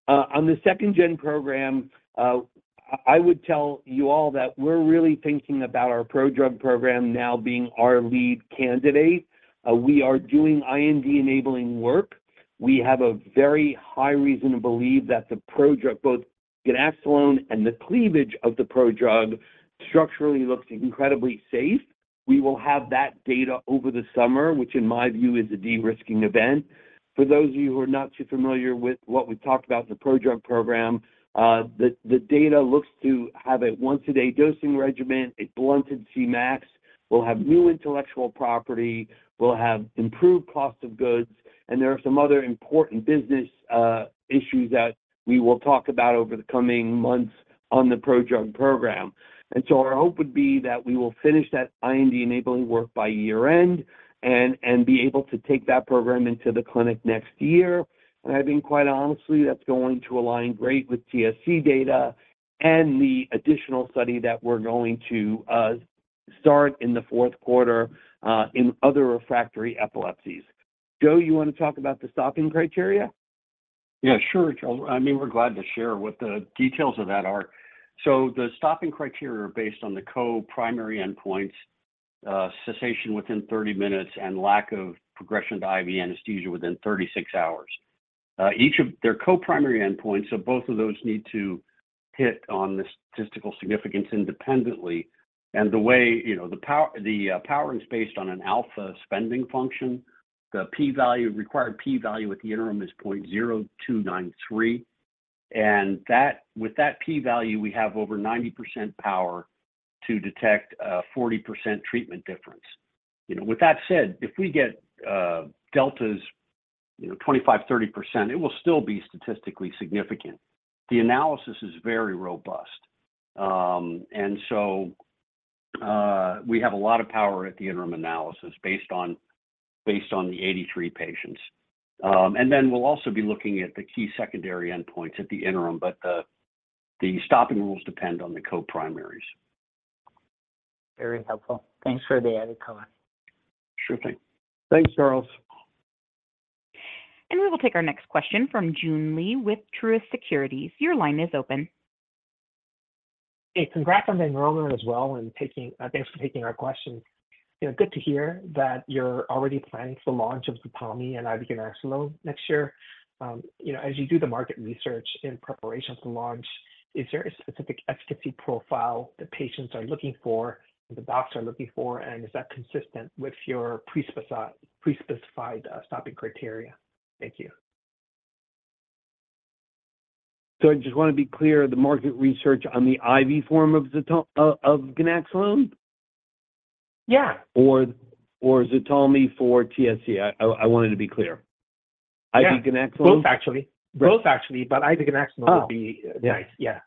On the second gen program, I would tell you all that we're really thinking about our prodrug program now being our lead candidate. We are doing IND-enabling work. We have a very high reason to believe that the prodrug, both ganaxolone and the cleavage of the prodrug, structurally looks incredibly safe. We will have that data over the summer, which in my view is a de-risking event. For those of you who are not too familiar with what we've talked about in the prodrug program, the, the data looks to have a once-a-day dosing regimen, a blunted Cmax, will have new intellectual property, will have improved cost of goods, and there are some other important business, issues that we will talk about over the coming months on the prodrug program. And so our hope would be that we will finish that IND-enabling work by year-end and, and be able to take that program into the clinic next year. And I think, quite honestly, that's going to align great with TSC data and the additional study that we're going to start in the fourth quarter in other refractory epilepsies. Joe, you wanna talk about the stopping criteria? Yeah, sure Charles. I mean, we're glad to share what the details of that are. So the stopping criteria are based on the co-primary endpoints, cessation within 30 minutes and lack of progression to IV anesthesia within 36 hours. They're co-primary endpoints, so both of those need to hit on the statistical significance independently. And the way, you know, the power, the powering is based on an alpha spending function. The p-value, required p-value at the interim is 0.0293, and that with that p-value, we have over 90% power to detect a 40% treatment difference. You know, with that said, if we get deltas, you know, 25%-30%, it will still be statistically significant. The analysis is very robust. And so we have a lot of power at the interim analysis based on the 83 patients. And then we'll also be looking at the key secondary endpoints at the interim, but the stopping rules depend on the co-primaries. Very helpful. Thanks for the added color. Sure thing. Thanks, Charles. We will take our next question from Joon Lee with Truist Securities. Your line is open. Hey, congrats on the enrollment as well, and thanks for taking our question. You know, good to hear that you're already planning for launch of Ztalmy and IV ganaxolone next year. You know, as you do the market research in preparation for launch, is there a specific efficacy profile that patients are looking for and the docs are looking for? And is that consistent with your pre-specified stopping criteria? Thank you. So I just want to be clear, the market research on the IV form of ganaxolone? Yeah. Ztalmy for TSC? I wanted to be clear. Yeah. IV ganaxolone? Both, actually. Both, actually, but IV ganaxolone- Oh. Would be nice. Yeah.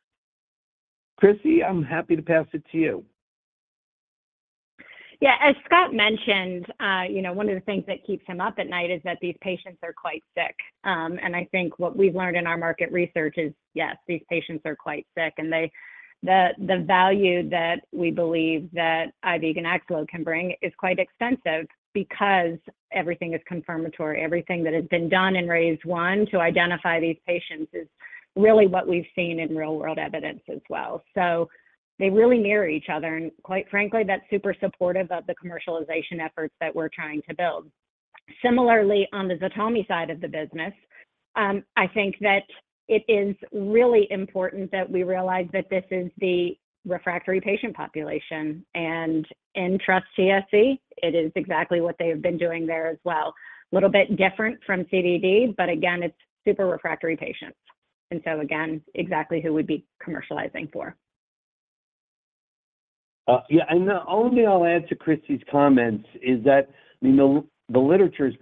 Christy, I'm happy to pass it to you. Yeah, as Scott mentioned, you know, one of the things that keeps him up at night is that these patients are quite sick. And I think what we've learned in our market research is, yes, these patients are quite sick, and the value that we believe that IV ganaxolone can bring is quite extensive because everything is confirmatory. Everything that has been done in RAISE-1 to identify these patients is really what we've seen in real-world evidence as well. So they really mirror each other, and quite frankly, that's super supportive of the commercialization efforts that we're trying to build. Similarly, on the Ztalmy side of the business, I think that it is really important that we realize that this is the refractory patient population, and in TRUST-TSC, it is exactly what they have been doing there as well. A little bit different from CDD, but again, it's super refractory patients. And so again, exactly who we'd be commercializing for. Yeah, and the only I'll add to Christy's comments is that, you know, the literature is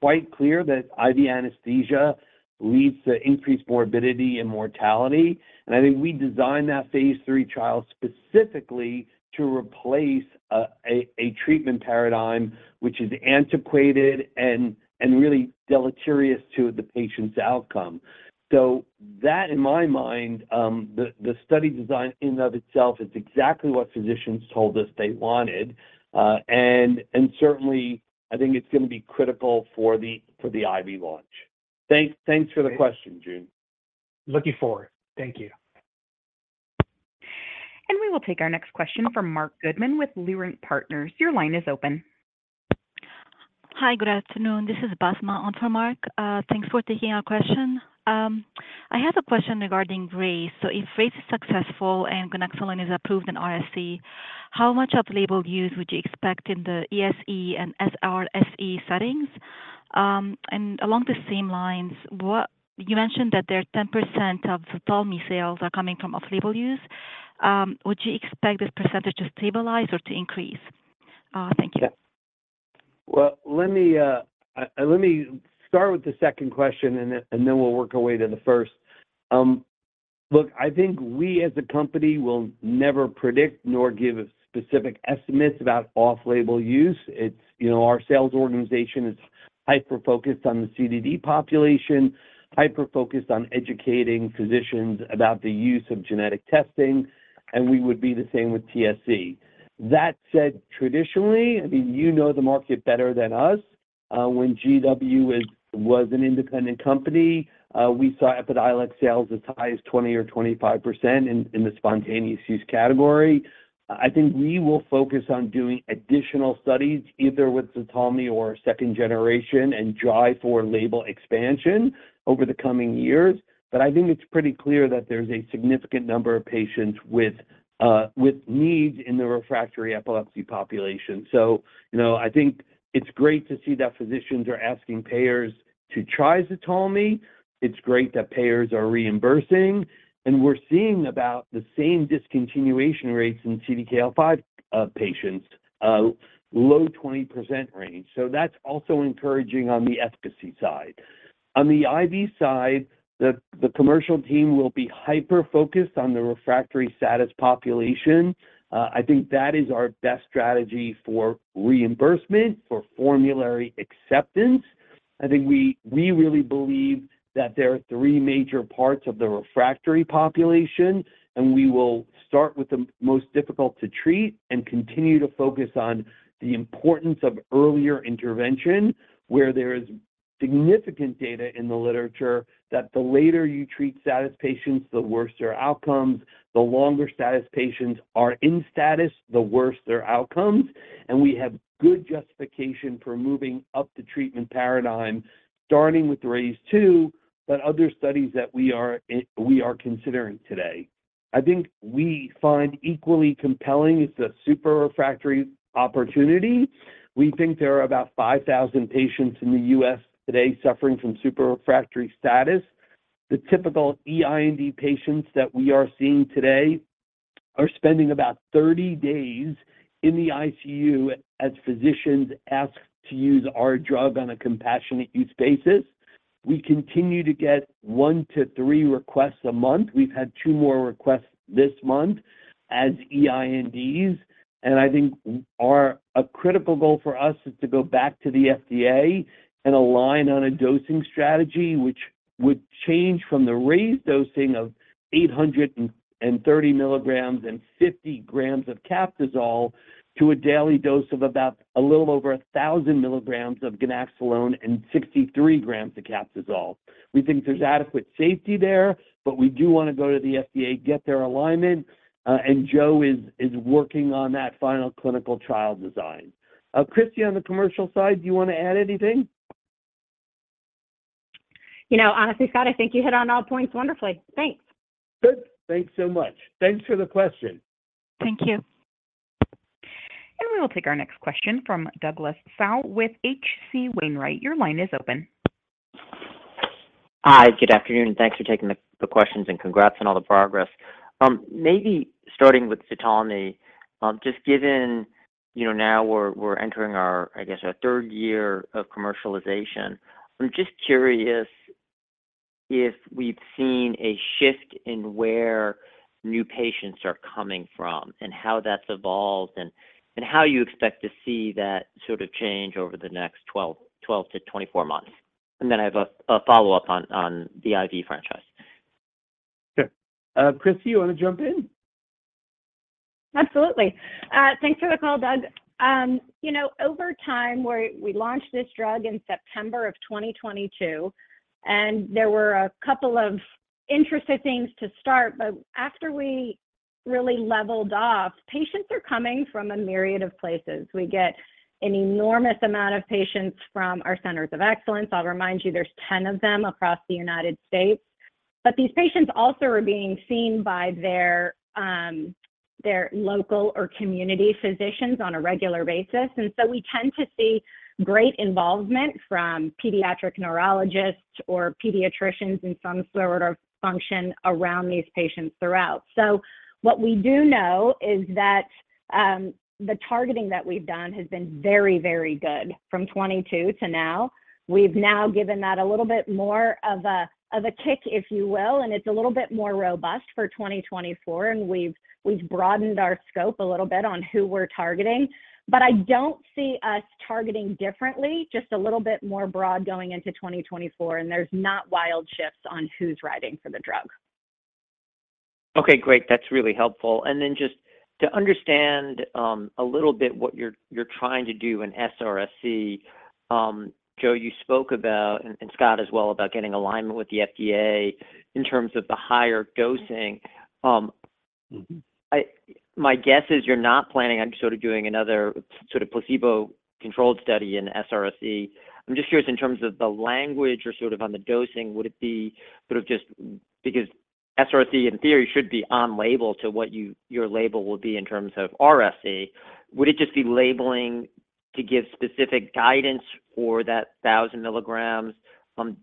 quite clear that IV anesthesia leads to increased morbidity and mortality. And I think we designed that Phase Three trial specifically to replace a treatment paradigm which is antiquated and really deleterious to the patient's outcome. So that, in my mind, the study design in and of itself is exactly what physicians told us they wanted. And certainly, I think it's going to be critical for the IV launch. Thanks, thanks for the question, Joon. Looking forward. Thank you. We will take our next question from Marc Goodman with Leerink Partners. Your line is open. Hi, good afternoon. This is Basma on for Marc. Thanks for taking our question. I have a question regarding Raise. So if Raise is successful and ganaxolone is approved in RSE, how much of label use would you expect in the RSE and SRSE settings? And along the same lines, what... You mentioned that there are 10% of Ztalmy sales are coming from off-label use. Would you expect this percentage to stabilize or to increase? Thank you. Well, let me start with the second question, and then we'll work our way to the first. Look, I think we, as a company, will never predict nor give specific estimates about off-label use. It's, you know, our sales organization is hyper-focused on the CDD population, hyper-focused on educating physicians about the use of genetic testing, and we would be the same with TSC. That said, traditionally, I mean, you know the market better than us. When GW was an independent company, we saw Epidiolex sales as high as 20 or 25% in the spontaneous use category. I think we will focus on doing additional studies, either with Ztalmy or second generation and drive for label expansion over the coming years. But I think it's pretty clear that there's a significant number of patients with needs in the refractory epilepsy population. So you know, I think it's great to see that physicians are asking payers to try Ztalmy. It's great that payers are reimbursing, and we're seeing about the same discontinuation rates in CDKL5 patients, low 20% range. So that's also encouraging on the efficacy side. On the IV side, the commercial team will be hyper-focused on the refractory status population. I think that is our best strategy for reimbursement, for formulary acceptance. I think we really believe that there are three major parts of the refractory population, and we will start with the most difficult to treat and continue to focus on the importance of earlier intervention, where there is-... Significant data in the literature that the later you treat status patients, the worse their outcomes, the longer status patients are in status, the worse their outcomes. And we have good justification for moving up the treatment paradigm, starting with the RAISE 2, but other studies that we are considering today. I think we find equally compelling is the super refractory opportunity. We think there are about 5,000 patients in the U.S. today suffering from super refractory status. The typical EIND patients that we are seeing today are spending about 30 days in the ICU as physicians ask to use our drug on a compassionate use basis. We continue to get 1-3 requests a month. We've had two more requests this month as EINDs, and I think a critical goal for us is to go back to the FDA and align on a dosing strategy, which would change from the RAISE dosing of 830 milligrams and 50 grams of Captisol to a daily dose of about a little over 1,000 milligrams of ganaxolone and 63 grams of Captisol. We think there's adequate safety there, but we do want to go to the FDA, get their alignment, and Joe is working on that final clinical trial design. Christy, on the commercial side, do you want to add anything? You know, honestly, Scott, I think you hit on all points wonderfully. Thanks. Good. Thanks so much. Thanks for the question. Thank you. We will take our next question from Douglas Tsao with H.C. Wainwright. Your line is open. Hi, good afternoon, and thanks for taking the questions, and congrats on all the progress. Maybe starting with Ztalmy, just given, you know, now we're, we're entering our, I guess, our third year of commercialization, I'm just curious if we've seen a shift in where new patients are coming from and how that's evolved and, and how you expect to see that sort of change over the next 12-24 months? And then I have a follow-up on the IV franchise. Sure. Christy, you wanna jump in? Absolutely. Thanks for the call, Doug. You know, over time, we're—we launched this drug in September of 2022, and there were a couple of interesting things to start, but after we really leveled off, patients are coming from a myriad of places. We get an enormous amount of patients from our centers of excellence. I'll remind you, there's 10 of them across the United States, but these patients also are being seen by their their local or community physicians on a regular basis, and so we tend to see great involvement from pediatric neurologists or pediatricians in some sort of function around these patients throughout. So what we do know is that the targeting that we've done has been very, very good from 2022 to now. We've now given that a little bit more of a, of a kick, if you will, and it's a little bit more robust for 2024, and we've, we've broadened our scope a little bit on who we're targeting. But I don't see us targeting differently, just a little bit more broad going into 2024, and there's not wild shifts on who's writing for the drug. Okay, great. That's really helpful. And then just to understand, a little bit what you're trying to do in SRSE, Joe, you spoke about, and, and Scott as well, about getting alignment with the FDA in terms of the higher dosing. Mm-hmm... I, my guess is you're not planning on sort of doing another sort of placebo-controlled study in SRSE. I'm just curious in terms of the language or sort of on the dosing, would it be sort of just because RSE in theory should be on label to what you, your label would be in terms of SRSE. Would it just be labeling to give specific guidance for that 1000 milligrams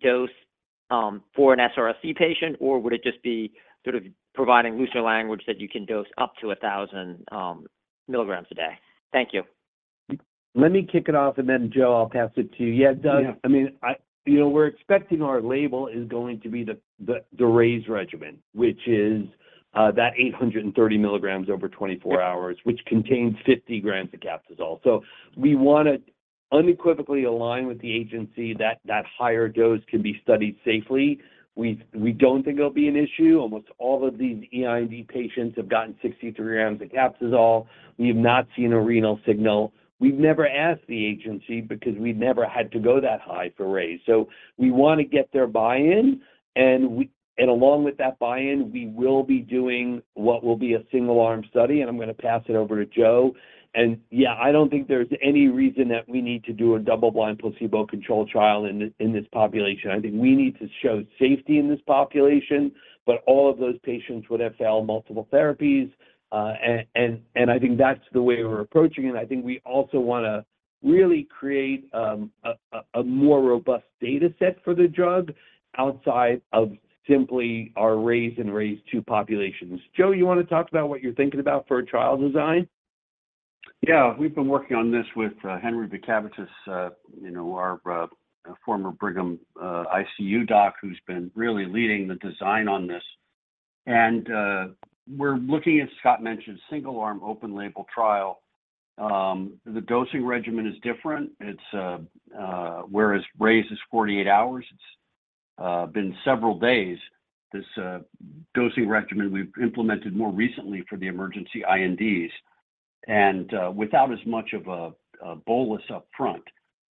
dose for an SRSE patient? Or would it just be sort of providing looser language that you can dose up to 1000 milligrams a day? Thank you. Let me kick it off, and then, Joe, I'll pass it to you. Yeah, Doug- Yeah. I mean, you know, we're expecting our label is going to be the RAISE regimen, which is that 830 milligrams over 24 hours, which contains 50 grams of Captisol. So we want to unequivocally align with the agency that that higher dose can be studied safely. We don't think it'll be an issue. Almost all of these EIND patients have gotten 63 grams of Captisol. We've not seen a renal signal. We've never asked the agency because we've never had to go that high for RAISE. So we want to get their buy-in, and along with that buy-in, we will be doing what will be a single-arm study, and I'm gonna pass it over to Joe. And, yeah, I don't think there's any reason that we need to do a double-blind placebo-controlled trial in this population. I think we need to show safety in this population, but all of those patients would have failed multiple therapies. And I think that's the way we're approaching it. I think we also wanna really create a more robust dataset for the drug outside of simply our RAISE and RAISE-2 populations. Joe, you wanna talk about what you're thinking about for a trial design? Yeah. We've been working on this with Henrikas Vaitkevicius, you know, our former Brigham ICU doc, who's been really leading the design on this. And we're looking, as Scott mentioned, single-arm, open-label trial. The dosing regimen is different. It's whereas RAISE is 48 hours, it's been several days. This dosing regimen we've implemented more recently for the emergency INDs, and without as much of a bolus upfront,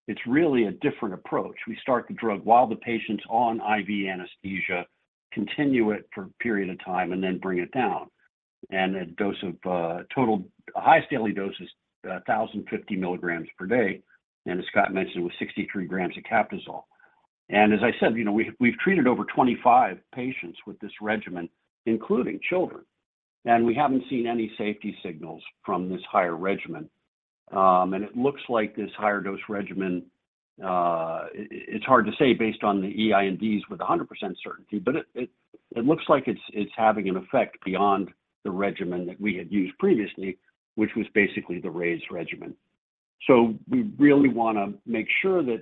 it's really a different approach. We start the drug while the patient's on IV anesthesia, continue it for a period of time, and then bring it down. And a dose of total highest daily dose is 1,050 milligrams per day, and as Scott mentioned, with 63 grams of Captisol. As I said, you know, we, we've treated over 25 patients with this regimen, including children, and we haven't seen any safety signals from this higher regimen. And it looks like this higher dose regimen, it's hard to say based on the EINDs with 100% certainty, but it looks like it's having an effect beyond the regimen that we had used previously, which was basically the raised regimen. So we really want to make sure that,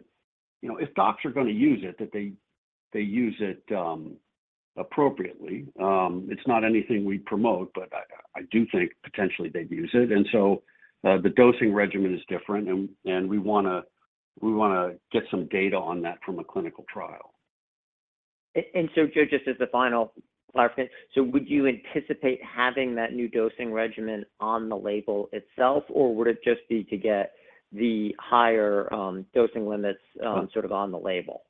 you know, if docs are going to use it, that they use it appropriately. It's not anything we promote, but I do think potentially they'd use it. So the dosing regimen is different, and we wanna get some data on that from a clinical trial. Joe, just as a final clarification, so would you anticipate having that new dosing regimen on the label itself, or would it just be to get the higher, dosing limits, sort of on the label?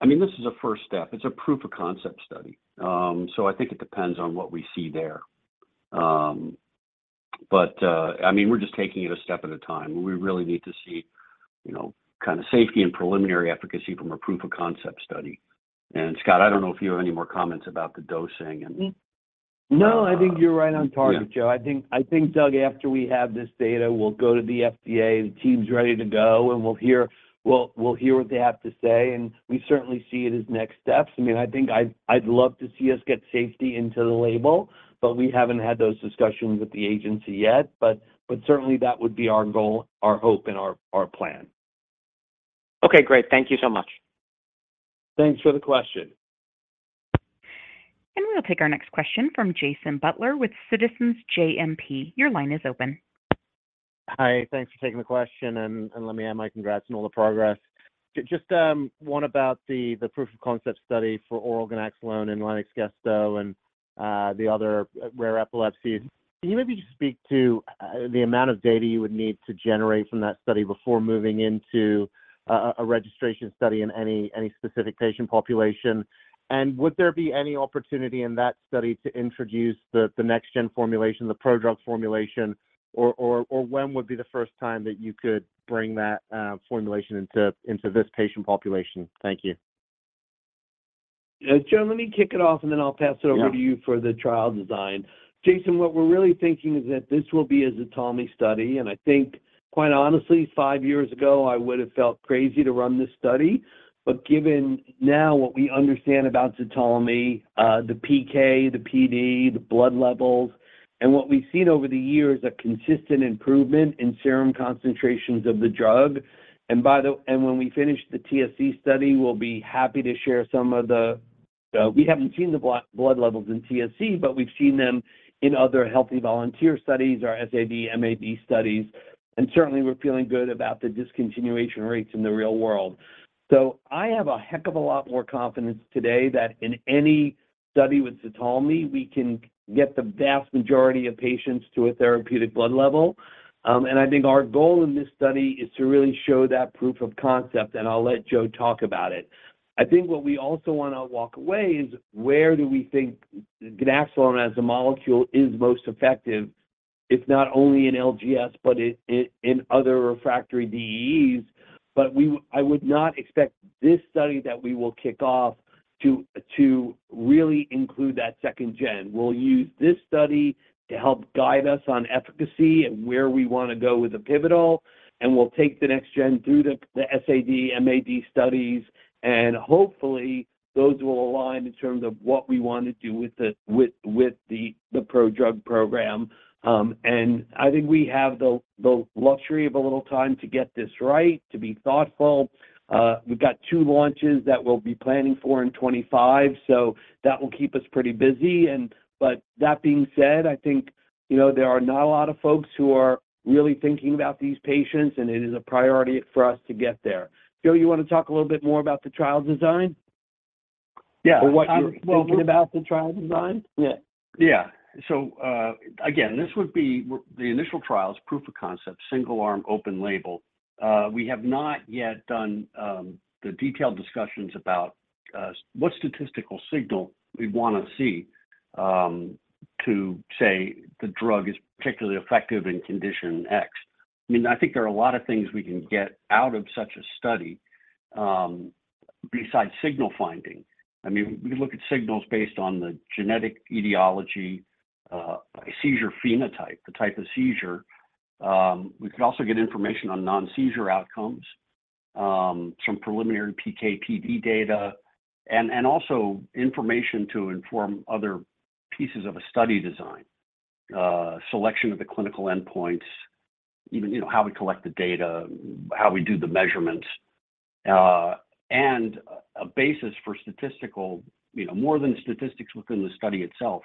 I mean, this is a first step. It's a proof of concept study. So I think it depends on what we see there. But I mean, we're just taking it a step at a time. We really need to see, you know, kind of safety and preliminary efficacy from a proof of concept study. And Scott, I don't know if you have any more comments about the dosing and- No, I think you're right on target, Joe. Yeah. I think, Doug, after we have this data, we'll go to the FDA, the team's ready to go, and we'll hear what they have to say, and we certainly see it as next steps. I mean, I think I'd love to see us get safety into the label, but we haven't had those discussions with the agency yet. But certainly that would be our goal, our hope, and our plan. Okay, great. Thank you so much. Thanks for the question. We'll take our next question from Jason Butler with Citizens JMP. Your line is open. Hi, thanks for taking the question, and let me add my congrats on all the progress. Just one about the proof of concept study for oral ganaxolone and Lennox-Gastaut and the other rare epilepsy. Can you maybe just speak to the amount of data you would need to generate from that study before moving into a registration study in any specific patient population? And would there be any opportunity in that study to introduce the next gen formulation, the prodrug formulation, or when would be the first time that you could bring that formulation into this patient population? Thank you. Joe, let me kick it off, and then I'll pass it over- Yeah, to you for the trial design. Jason, what we're really thinking is that this will be a Ztalmy study, and I think, quite honestly, five years ago, I would have felt crazy to run this study. But given now what we understand about Ztalmy, the PK, the PD, the blood levels, and what we've seen over the years, a consistent improvement in serum concentrations of the drug. And by the-- and when we finish the TSC study, we'll be happy to share some of the, we haven't seen the blood levels in TSC, but we've seen them in other healthy volunteer studies, our SAD, MAD studies, and certainly we're feeling good about the discontinuation rates in the real world. So I have a heck of a lot more confidence today that in any study with Ztalmy, we can get the vast majority of patients to a therapeutic blood level. And I think our goal in this study is to really show that proof of concept, and I'll let Joe talk about it. I think what we also want to walk away is, where do we think ganaxolone as a molecule is most effective, if not only in LGS, but in other refractory DEEs. But we, I would not expect this study that we will kick off to really include that second gen. We'll use this study to help guide us on efficacy and where we want to go with the pivotal, and we'll take the next gen through the, the SAD, MAD studies, and hopefully, those will align in terms of what we want to do with the, with, with the, the prodrug program. And I think we have the, the luxury of a little time to get this right, to be thoughtful. We've got two launches that we'll be planning for in 2025, so that will keep us pretty busy. But that being said, I think, you know, there are not a lot of folks who are really thinking about these patients, and it is a priority for us to get there. Joe, you want to talk a little bit more about the trial design? Yeah. Or what you're thinking about the trial design? Yeah. Yeah. So, again, this would be the initial trial's proof of concept, single arm, open label. We have not yet done the detailed discussions about what statistical signal we'd want to see to say the drug is particularly effective in condition X. I mean, I think there are a lot of things we can get out of such a study, besides signal finding. I mean, we look at signals based on the genetic etiology, seizure phenotype, the type of seizure. We could also get information on non-seizure outcomes, some preliminary PK/PD data, and also information to inform other pieces of a study design, selection of the clinical endpoints, even, you know, how we collect the data, how we do the measurements, and a basis for statistical, you know, more than statistics within the study itself,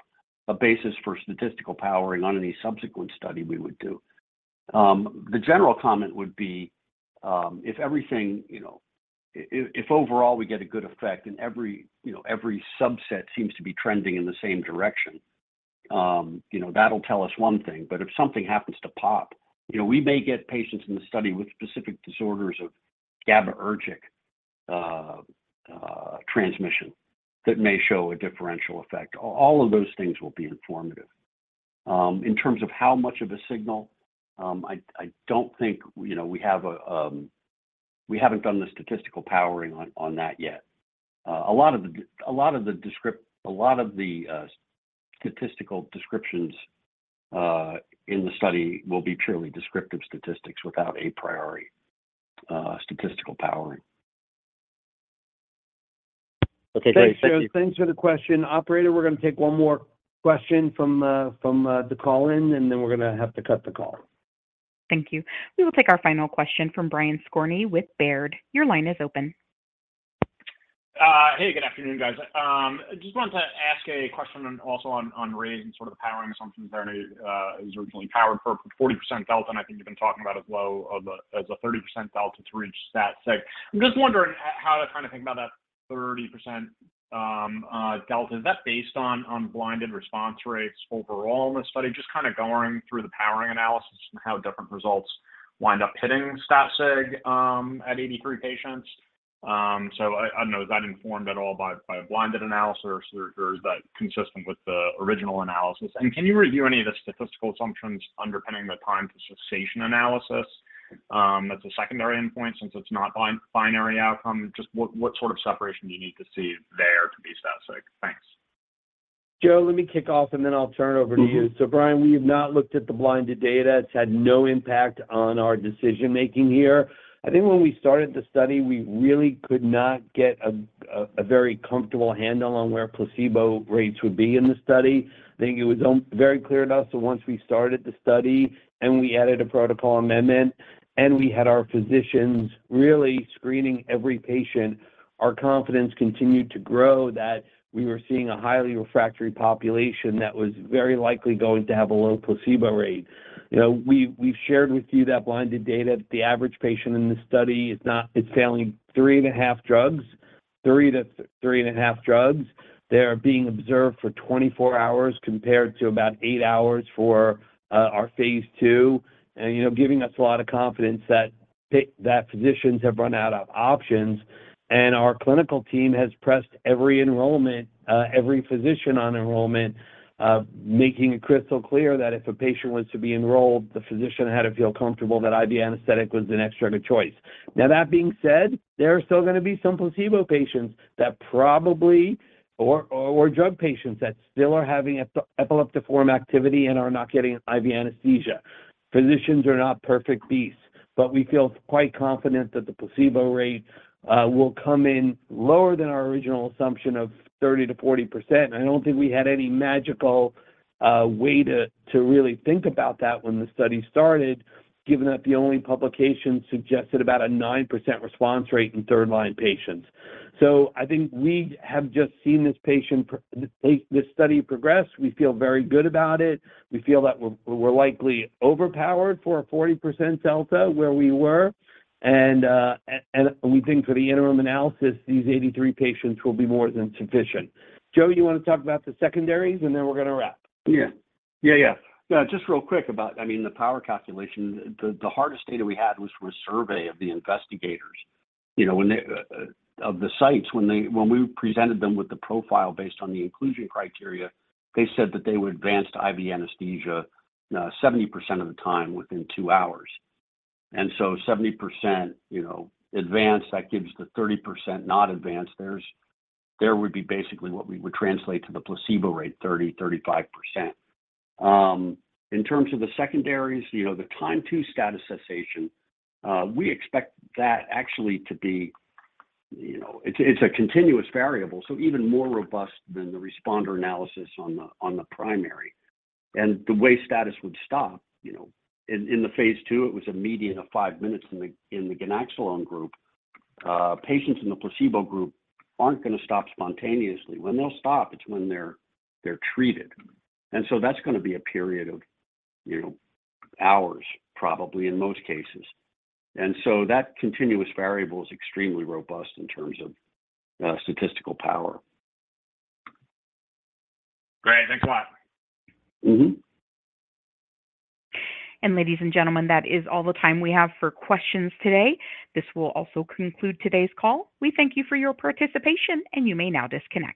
a basis for statistical powering on any subsequent study we would do. The general comment would be, if everything, you know, if overall we get a good effect and every, you know, every subset seems to be trending in the same direction, you know, that'll tell us one thing. But if something happens to pop, you know, we may get patients in the study with specific disorders of GABAergic transmission that may show a differential effect. All of those things will be informative. In terms of how much of a signal, I don't think, you know, we haven't done the statistical powering on that yet. A lot of the statistical descriptions in the study will be purely descriptive statistics without a priori statistical powering. Okay, great. Thank you. Thanks for the question. Operator, we're gonna take one more question from the call-in, and then we're gonna have to cut the call. Thank you. We will take our final question from Brian Skorney with Baird. Your line is open. Hey, good afternoon, guys. I just wanted to ask a question and also on, on raise and sort of the powering assumptions there. It was originally powered for 40% delta, and I think you've been talking about as low as a 30% delta to reach that sig. I'm just wondering how to kind of think about that 30% delta. Is that based on blinded response rates overall in the study? Just kinda going through the powering analysis and how different results wind up hitting stat sig at 83 patients. So I don't know, is that informed at all by a blinded analysis, or is that consistent with the original analysis? Can you review any of the statistical assumptions underpinning the time to cessation analysis, as a secondary endpoint, since it's not binary outcome? Just what, what sort of separation do you need to see there to be statistic? Thanks. Joe, let me kick off, and then I'll turn it over to you. Mm-hmm. So, Brian, we have not looked at the blinded data. It's had no impact on our decision making here. I think when we started the study, we really could not get a very comfortable handle on where placebo rates would be in the study. I think it was very clear to us that once we started the study and we added a protocol amendment, and we had our physicians really screening every patient, our confidence continued to grow that we were seeing a highly refractory population that was very likely going to have a low placebo rate. You know, we've shared with you that blinded data, that the average patient in this study is failing 3.5 drugs, 3 to 3.5 drugs. They are being observed for 24 hours, compared to about 8 hours for our phase II. You know, giving us a lot of confidence that that physicians have run out of options, and our clinical team has pressed every enrollment, every physician on enrollment, making it crystal clear that if a patient was to be enrolled, the physician had to feel comfortable that IV anesthetic was the next drug of choice. Now, that being said, there are still gonna be some placebo patients that probably or drug patients that still are having epileptiform activity and are not getting IV anesthesia. Physicians are not perfect beasts, but we feel quite confident that the placebo rate will come in lower than our original assumption of 30%-40%. And I don't think we had any magical way to really think about that when the study started, given that the only publication suggested about a 9% response rate in third-line patients. So I think we have just seen this study progress. We feel very good about it. We feel that we're likely overpowered for a 40% delta where we were. And we think for the interim analysis, these 83 patients will be more than sufficient. Joe, you wanna talk about the secondaries, and then we're gonna wrap? Yeah. Yeah, yeah. Yeah, just real quick about, I mean, the power calculation. The hardest data we had was from a survey of the investigators. You know, when we presented them with the profile based on the inclusion criteria, they said that they would advance to IV anesthesia, 70% of the time within two hours. And so 70%, you know, advanced, that gives the 30% not advanced. There would be basically what we would translate to the placebo rate, 30%-35%. In terms of the secondaries, you know, the time to status cessation, we expect that actually to be, you know. It's a continuous variable, so even more robust than the responder analysis on the primary. The way status would stop, you know, in the phase II, it was a median of 5 minutes in the ganaxolone group. Patients in the placebo group aren't gonna stop spontaneously. When they'll stop, it's when they're treated. So that's gonna be a period of, you know, hours, probably in most cases. So that continuous variable is extremely robust in terms of statistical power. Great. Thanks a lot. Mm-hmm. Ladies and gentlemen, that is all the time we have for questions today. This will also conclude today's call. We thank you for your participation, and you may now disconnect.